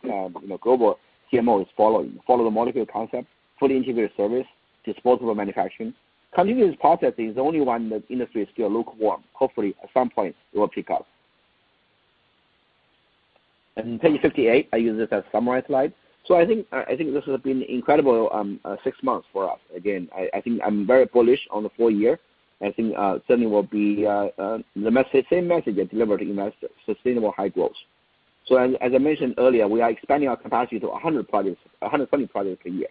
global CMO is following. Follow the Molecule concept, fully integrated service, disposable manufacturing. Continuous processing is the only one that industry is still lukewarm. Hopefully, at some point, it will pick up. In page 58, I use this as summary slide. I think this has been incredible six months for us. Again, I think I'm very bullish on the full year. I think certainly will be the same message I delivered in sustainable high growth. As I mentioned earlier, we are expanding our capacity to 120 projects a year.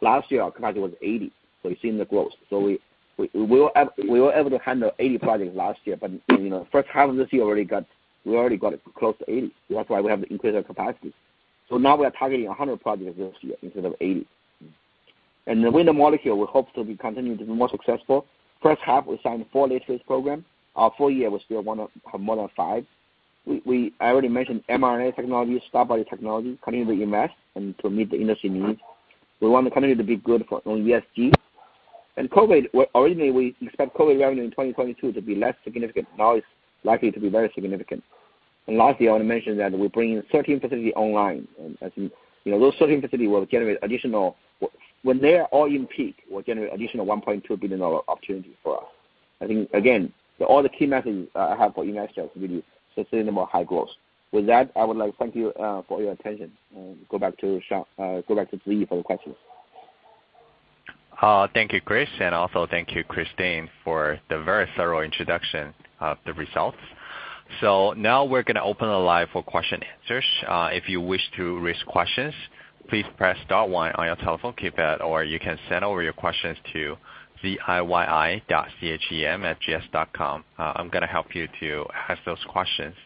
Last year, our capacity was 80, so you've seen the growth. We were able to handle 80 projects last year, but first half of this year, we already got close to 80. That's why we have to increase our capacity. Now we are targeting 100 projects this year instead of 80. The Win the Molecule, we hope to be continuing to be more successful. First half, we signed four late-phase program. Our full year was still one of more than five. I already mentioned mRNA technology, SDArBody technology, continue to invest and to meet the industry needs. We want the company to be good on ESG. COVID-19, originally we expect COVID-19 revenue in 2022 to be less significant. Now it's likely to be very significant. Lastly, I want to mention that we're bringing 13 facility online. I think, those 13 facility, when they are all in peak, will generate additional $1.2 billion opportunity for us. I think, again, all the key messages I have for investors really sustainable high growth. With that, I would like to thank you for your attention and go back to Ziyi for the questions. Thank you, Chris, and also thank you, Christine, for the very thorough introduction of the results. Now we're going to open the line for question answers. If you wish to raise questions, please press star one on your telephone keypad, or you can send over your questions to ziyi.chen@gs.com. I'm going to help you to ask those questions.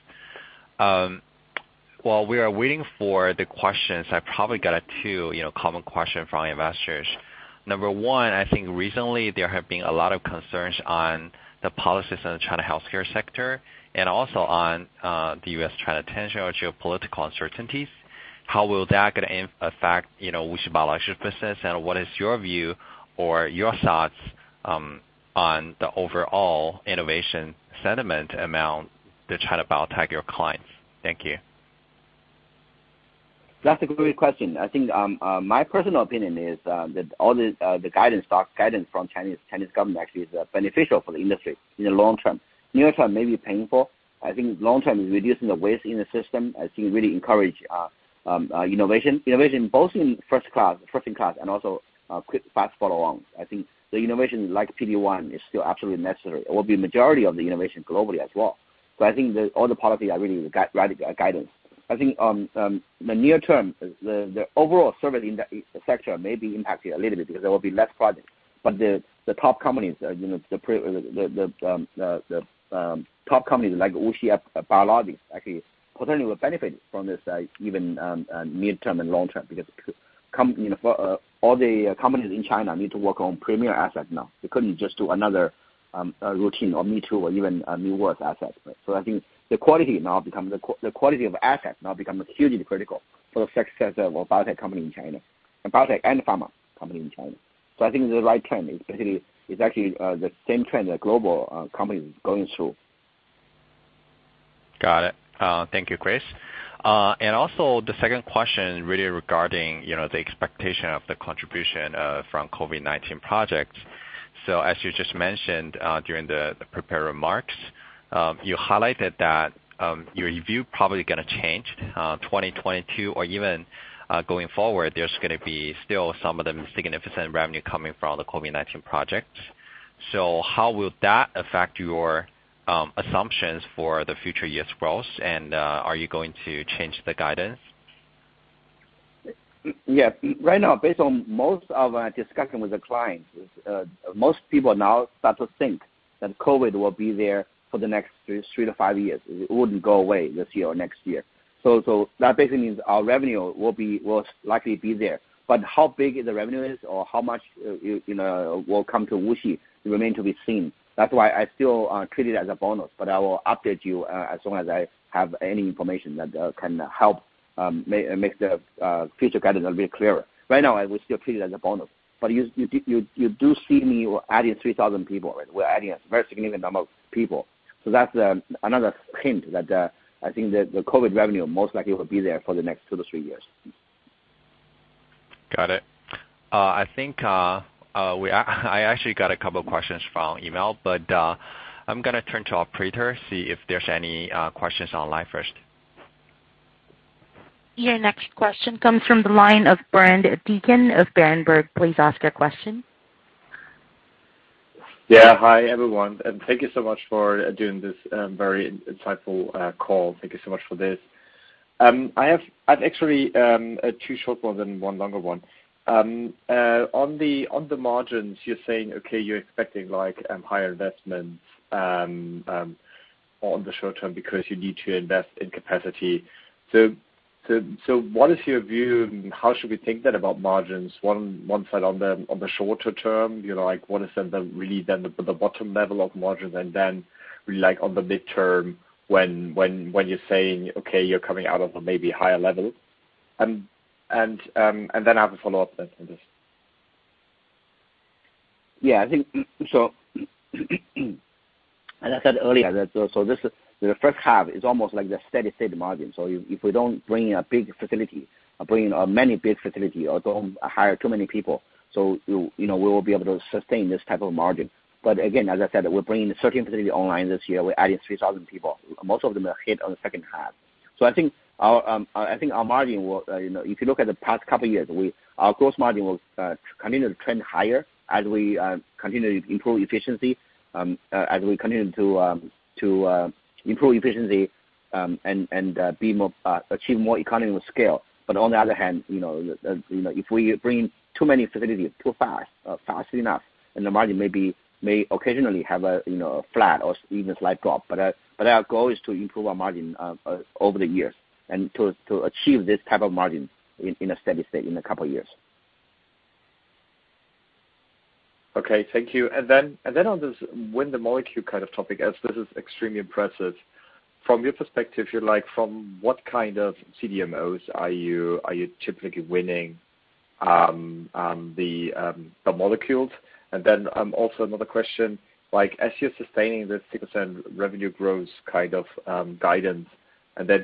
While we are waiting for the questions, I probably got two common question from our investors. Number one, I think recently there have been a lot of concerns on the policies in the China healthcare sector and also on the U.S.-China tension or geopolitical uncertainties. How will that going to affect WuXi Biologics business, and what is your view or your thoughts on the overall innovation sentiment among the China biotech your clients? Thank you. That's a great question. I think my personal opinion is that all the guidance from Chinese government actually is beneficial for the industry in the long term. Near term may be painful. I think long term is reducing the waste in the system. I think it really encourage innovation. Innovation both in first in class and also quick fast follow alongs. I think the innovation like PD-1 is still absolutely necessary. It will be majority of the innovation globally as well. I think that all the policy are really guidance. I think on the near term, the overall service industry sector may be impacted a little bit because there will be less projects. The top companies like WuXi Biologics actually potentially will benefit from this even midterm and long-term because all the companies in China need to work on premier asset now. They couldn't just do another routine or me too or even a new worth asset. I think the quality of asset now becomes hugely critical for the success of biotech company in China. Biotech and pharma company in China. I think the right trend is basically is actually the same trend that global companies going through. Got it. Thank you, Chris. Also the second question really regarding the expectation of the contribution from COVID-19 projects. So as you just mentioned during the prepared remarks, you highlighted that your view probably going to change 2022 or even going forward, there's going to be still some of the significant revenue coming from the COVID-19 projects. So how will that affect your assumptions for the future year's growth and are you going to change the guidance? Yeah. Right now based on most of our discussion with the clients, most people now start to think that COVID will be there for the next three to five years. It wouldn't go away this year or next year. That basically means our revenue will likely be there. How big the revenue is or how much will come to WuXi remain to be seen. That's why I still treat it as a bonus, I will update you as soon as I have any information that can help make the future guidance a bit clearer. Right now, we still treat it as a bonus. You do see me adding 3,000 people, right? We're adding a very significant number of people. That's another hint that I think that the COVID revenue most likely will be there for the next two to three years. Got it. I think I actually got a couple questions from email. I'm going to turn to Operator, see if there's any questions online first. Your next question comes from the line of Bernd Deeken of Berenberg. Please ask your question. Yeah. Hi, everyone, thank you so much for doing this very insightful call. Thank you so much for this. I have actually two short ones and one longer one. On the margins, you're saying, okay, you're expecting higher investments on the short term because you need to invest in capacity. What is your view and how should we think that about margins? One side on the shorter term, like what is then really then the bottom level of margins, and then really on the midterm when you're saying, okay, you're coming out of a maybe higher level. I have a follow-up then to this. As I said earlier, the first half is almost like the steady-state margin. If we don't bring in a big facility or bring in many big facility or don't hire too many people, so we will be able to sustain this type of margin. Again, as I said, we're bringing certain facility online this year. We're adding 3,000 people. Most of them are hit on the second half. I think our margin will, if you look at the past couple years, our gross margin will continue to trend higher as we continue to improve efficiency and achieve more economy with scale. On the other hand, if we bring too many facilities too fast, fast enough, then the margin may occasionally have a flat or even a slight drop. Our goal is to improve our margin over the years and to achieve this type of margin in a steady state in a couple of years. Okay, thank you. On this Win the Molecule kind of topic as this is extremely impressive. From your perspective, from what kind of CDMOs are you typically winning the molecules? Another question, as you're sustaining this 6% revenue growth kind of guidance,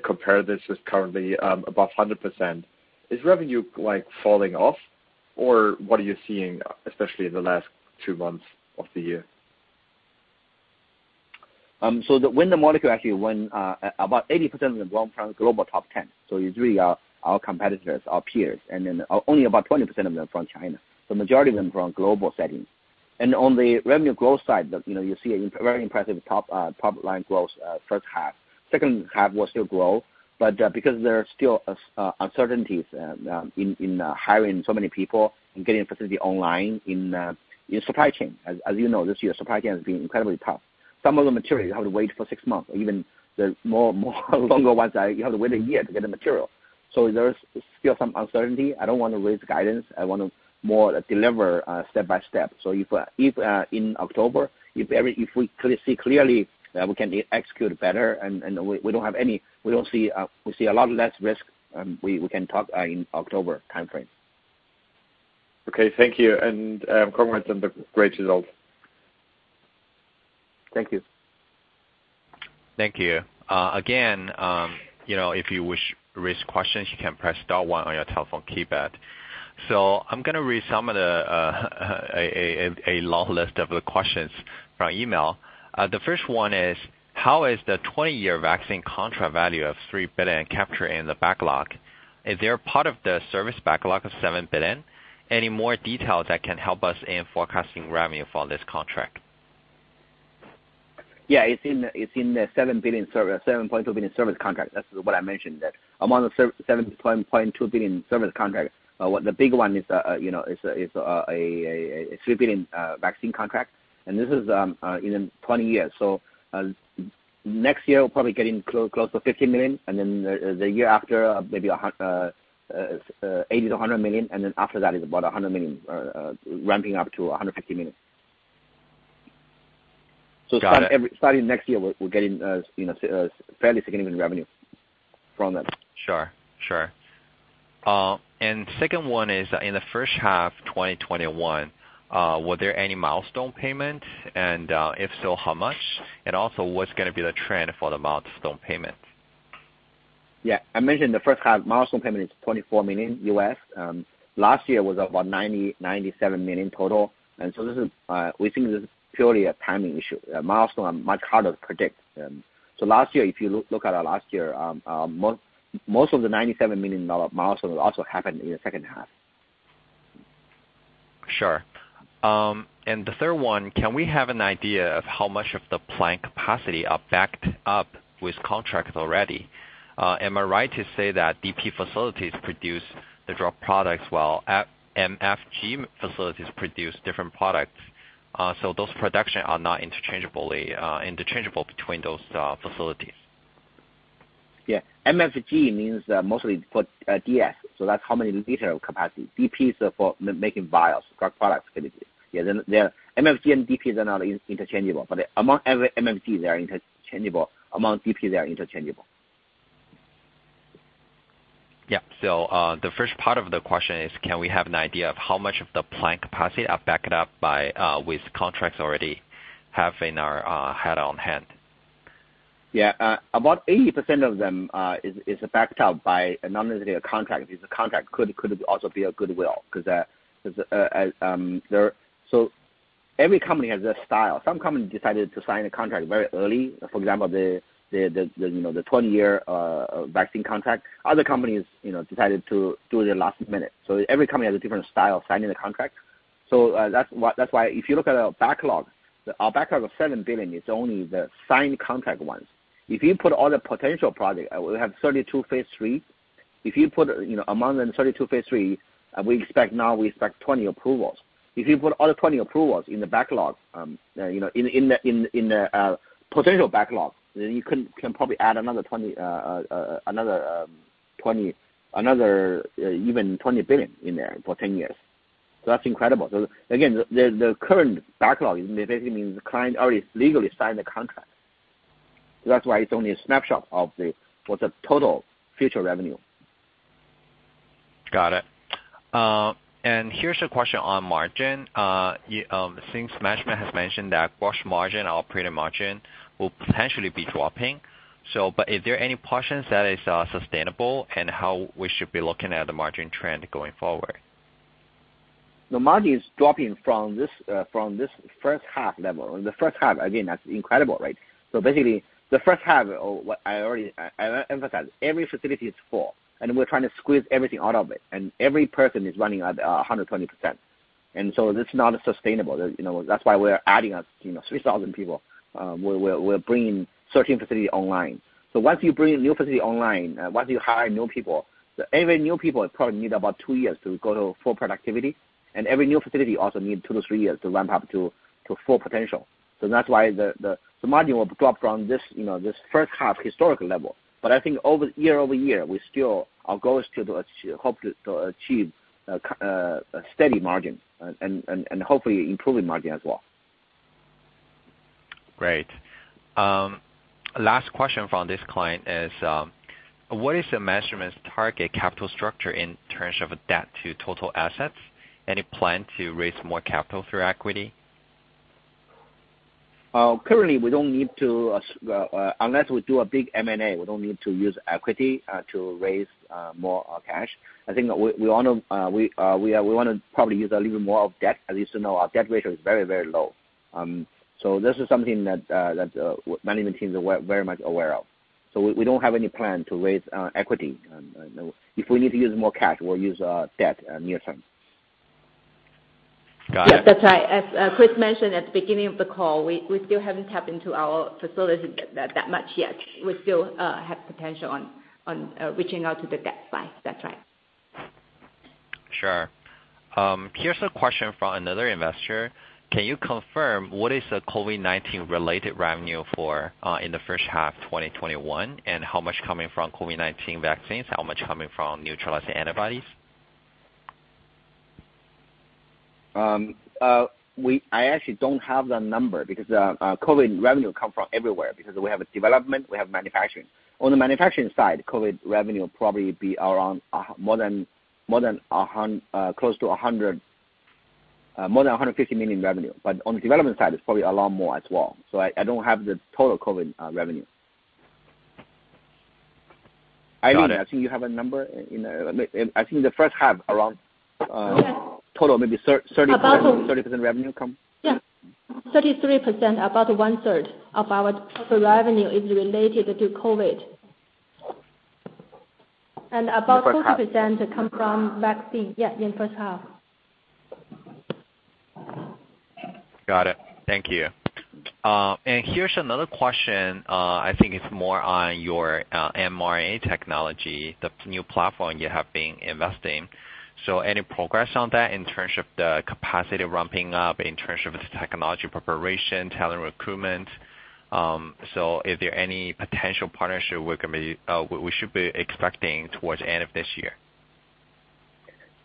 compare this is currently above 100%, is revenue falling off? What are you seeing, especially in the last two months of the year? The Win the Molecule actually win about 80% of them from global top 10. It's really our competitors, our peers, and then only about 20% of them from China. Majority of them are from global settings. On the revenue growth side, you see a very impressive top line growth first half. Second half will still grow. Because there are still uncertainties in hiring so many people and getting facility online in supply chain. As you know, this year, supply chain has been incredibly tough. Some of the materials you have to wait for six months or even the more longer ones, you have to wait a year to get the material. There's still some uncertainty. I don't want to raise guidance. I want to more deliver step by step. If in October, if we see clearly that we can execute better and we see a lot less risk, we can talk in October timeframe. Okay. Thank you. Congrats on the great result. Thank you. Thank you. Again, if you wish to raise questions, you can press star one on your telephone keypad. I'm going to read some of the long list of the questions from email. The first one is, how is the 20-year vaccine contract value of $3 billion captured in the backlog? Is there a part of the service backlog of $7 billion? Any more detail that can help us in forecasting revenue for this contract? Yeah. It's in the $7.2 billion service contract. That's what I mentioned, that among the $7.2 billion service contract, the big one is a $3 billion vaccine contract. This is in 20 years. Next year, we're probably getting close to $50 million. The year after, maybe $80 million-$100 million. After that, it's about $100 million, ramping up to $150 million. Got it. Starting next year, we're getting fairly significant revenue from them. Sure. Sure. Second one is, in the first half 2021, were there any milestone payments? If so, how much? Also, what's going to be the trend for the milestone payments? Yeah. I mentioned the first half milestone payment is $24 million. Last year was about $97 million total. We think this is purely a timing issue. A milestone much harder to predict. Last year, most of the $97 million milestone also happened in the second half. Sure. The third one, can we have an idea of how much of the plant capacity are backed up with contracts already? Am I right to say that DP facilities produce the drug products while MFG facilities produce different products? Those production are not interchangeable between those facilities. Yeah. MFG means mostly for DS. That's how many liter capacity. DP is for making vials for product activity. Yeah. MFG and DP are not interchangeable. Among MFG, they are interchangeable. Among DP, they are interchangeable. Yeah. The first part of the question is, can we have an idea of how much of the plant capacity are backed up with contracts already have in our hand on hand? Yeah. About 80% of them is backed up by a non-material contract. Because a contract could also be a goodwill. Every company has their style. Some company decided to sign a contract very early. For example, the 20-year vaccine contract. Other companies decided to do the last minute. Every company has a different style of signing the contract. That's why if you look at our backlog, our backlog of $7 billion is only the signed contract ones. If you put all the potential project, we have 32 phase III. If you put among the 32 phase III, we expect now 20 approvals. If you put all the 20 approvals in the backlog, in the potential backlog, then you can probably add another even $20 billion in there for 10 years. That's incredible. Again, the current backlog basically means the client already legally signed the contract. That's why it's only a snapshot of what the total future revenue. Got it. Here's a question on margin. Since management has mentioned that gross margin, operating margin will potentially be dropping. Is there any portions that is sustainable and how we should be looking at the margin trend going forward? The margin is dropping from this first half level. The first half, again, that's incredible, right? Basically, the first half, I emphasized, every facility is full and we're trying to squeeze everything out of it, and every person is running at 120%. This is not sustainable. That's why we're adding 3,000 people. We're bringing certain facility online. Once you bring new facility online, once you hire new people, every new people probably need about two years to go to full productivity. Every new facility also needs two, three years to ramp up to full potential. That's why the margin will drop from this first half historical level. I think year over year, our goal is still to hope to achieve a steady margin and hopefully improving margin as well. Great. Last question from this client is, what is the management's target capital structure in terms of debt to total assets? Any plan to raise more capital through equity? Currently, we don't need to. Unless we do a big M&A, we don't need to use equity to raise more cash. I think we want to probably use a little more of debt. As you know, our debt ratio is very, very low. This is something that management teams are very much aware of. We don't have any plan to raise equity. If we need to use more cash, we'll use debt near term. Got it. Yeah, that's right. As Chris mentioned at the beginning of the call, we still haven't tapped into our facilities that much yet. We still have potential on reaching out to the debt side. That's right. Sure. Here's a question from another investor. Can you confirm what is the COVID-19 related revenue for in the first half 2021, and how much coming from COVID-19 vaccines, how much coming from neutralizing antibodies? I actually don't have the number because COVID revenue come from everywhere, because we have development, we have manufacturing. On the manufacturing side, COVID revenue probably be more than 150 million revenue. On the development side, it's probably a lot more as well. I don't have the total COVID revenue. Got it. I think you have a number in I think the first half, around total maybe 30% revenue come. Yeah. 33%, about 1/3 of our total revenue is related to COVID. About 40% comes from vaccine. Yeah, in first half. Got it. Thank you. Here's another question. I think it's more on your mRNA technology, the new platform you have been investing. Any progress on that in terms of the capacity ramping up, in terms of the technology preparation, talent recruitment? Is there any potential partnership we should be expecting towards the end of this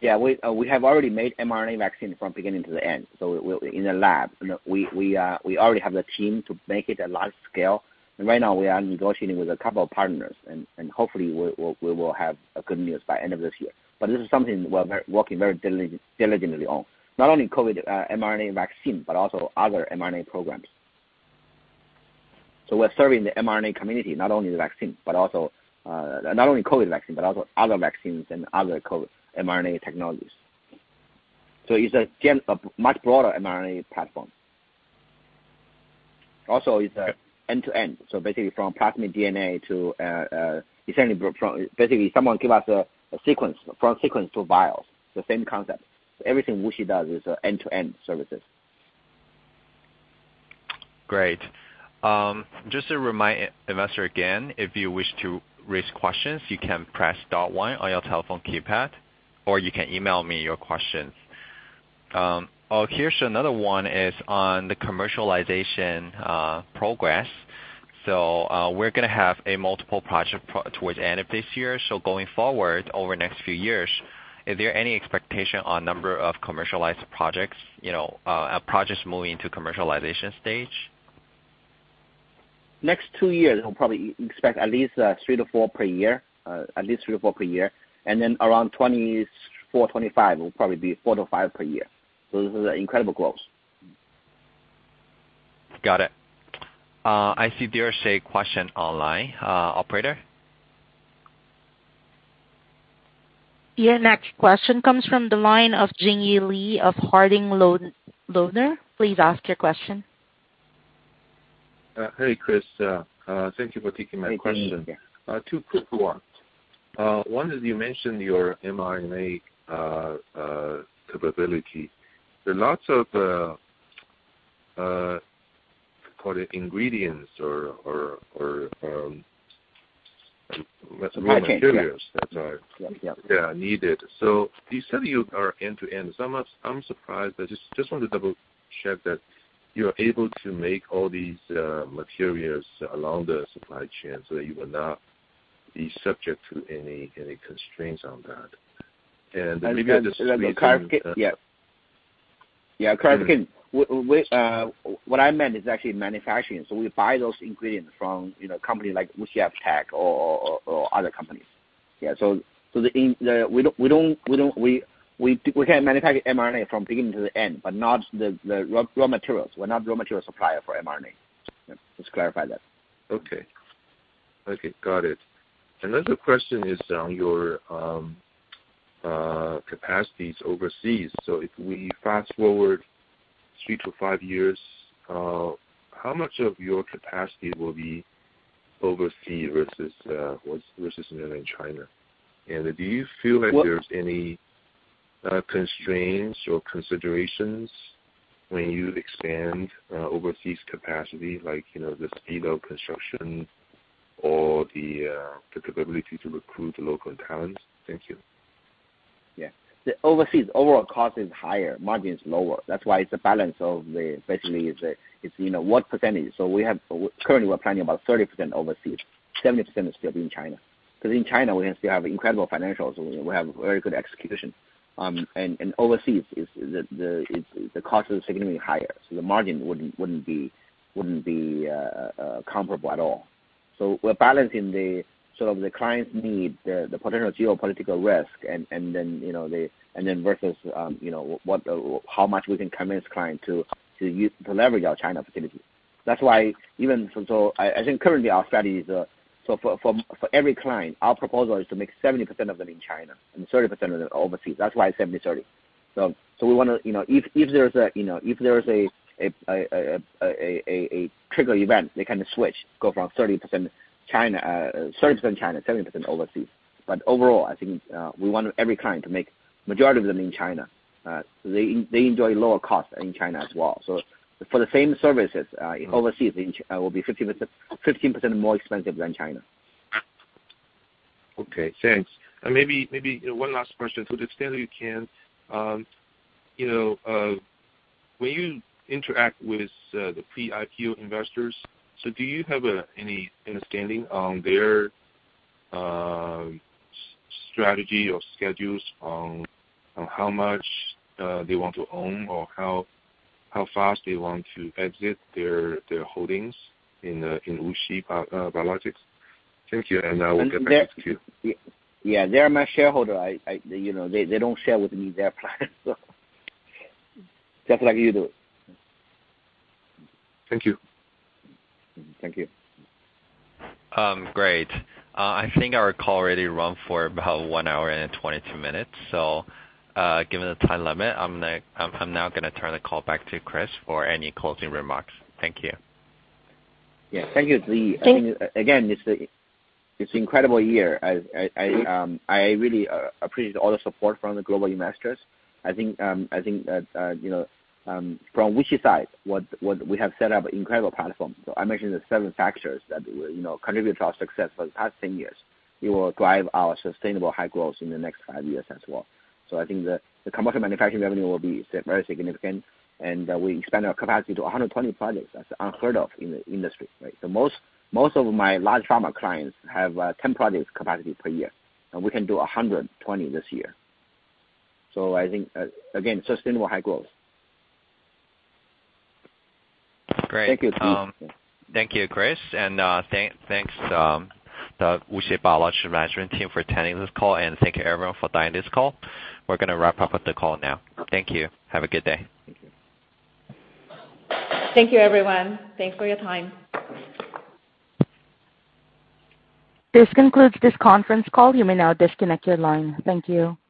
year? We have already made mRNA vaccine from beginning to the end. In the lab, we already have the team to make it at large scale. Right now, we are negotiating with a couple of partners, and hopefully we will have a good news by end of this year. This is something we're working very diligently on. Not only COVID mRNA vaccine, but also other mRNA programs. We're serving the mRNA community, not only COVID vaccine, but also other vaccines and other mRNA technologies. It's a much broader mRNA platform. Also, it's end-to-end. Basically, from plasmid DNA to essentially, someone give us a sequence. From sequence to vials, the same concept. Everything WuXi does is end-to-end services. Great. Just to remind investor again, if you wish to raise questions, you can press one on your telephone keypad, or you can email me your questions. Here's another one is on the commercialization progress. We're going to have a multiple project towards end of this year. Going forward, over the next few years, is there any expectation on number of commercialized projects? Projects moving into commercialization stage? Next two years, we'll probably expect at least three to four per year. Around 2024, 2025, it will probably be four to five per year. This is an incredible growth. Got it. I see there's a question online. Operator? Your next question comes from the line of Jingyi Li of Harding Loevner. Please ask your question. Hey, Chris. Thank you for taking my question. Hey, Jingyi. Two quick ones. One is you mentioned your mRNA capability. There are lots of, call it ingredients. Raw materials. raw materials that are- Yep. Yeah, are needed. You said you are end-to-end, so I'm surprised. I just want to double-check that you are able to make all these materials along the supply chain so that you will not be subject to any constraints on that. Yeah. To clarify, what I meant is actually manufacturing. We buy those ingredients from a company like WuXi AppTec or other companies. Yeah. We can manufacture mRNA from beginning to the end, but not the raw materials. We're not raw material supplier for mRNA. Just clarify that. Okay. Got it. Another question is on your capacities overseas. If we fast-forward three to five years, how much of your capacity will be overseas versus mainland China? Do you feel like there's any constraints or considerations when you expand overseas capacity, like, the speed of construction or the capability to recruit local talents? Thank you. Yeah. The overseas overall cost is higher, margin is lower. That's why it's a balance of the, basically, it's what percentage. Currently, we're planning about 30% overseas, 70% is still being China. In China, we still have incredible financials. We have very good execution. Overseas, the cost is significantly higher, so the margin wouldn't be comparable at all. We're balancing the sort of the client's need, the potential geopolitical risk, and then versus how much we can convince client to leverage our China facilities. I think currently our strategy is, for every client, our proposal is to make 70% of them in China and 30% of them overseas. That's why it's 70/30. If there's a trigger event, they kind of switch, go from 30% China, 70% overseas. Overall, I think we want every client to make majority of them in China. They enjoy lower cost in China as well. For the same services overseas will be 15% more expensive than China. Okay, thanks. Maybe one last question. To the extent that you can, when you interact with the pre-IPO investors, do you have any understanding on their strategy or schedules on how much they want to own or how fast they want to exit their holdings in WuXi Biologics? Thank you, I will get back to queue. Yeah. They are my shareholder. They don't share with me their plans. Just like you do. Thank you. Thank you. Great. I think our call already run for about 1 hour and 22 minutes. Given the time limit, I'm now going to turn the call back to Chris for any closing remarks. Thank you. Yeah. Thank you, Ziyi. Thank- Again, it's incredible year. I really appreciate all the support from the global investors. I think that from WuXi's side, we have set up incredible platform. I mentioned the seven factors that contribute to our success for the past 10 years. It will drive our sustainable high growth in the next five years as well. I think the commercial manufacturing revenue will be very significant, and we expand our capacity to 120 projects. That's unheard of in the industry, right? Most of my large pharma clients have 10 products capacity per year, and we can do 120 this year. I think, again, sustainable high growth. Great. Thank you, Ziyi. Thank you, Chris, and thanks the WuXi Biologics management team for attending this call and thank you everyone for dialing this call. We're going to wrap up with the call now. Thank you. Have a good day. Thank you. Thank you, everyone. Thanks for your time. This concludes this conference call. You may now disconnect your line. Thank you.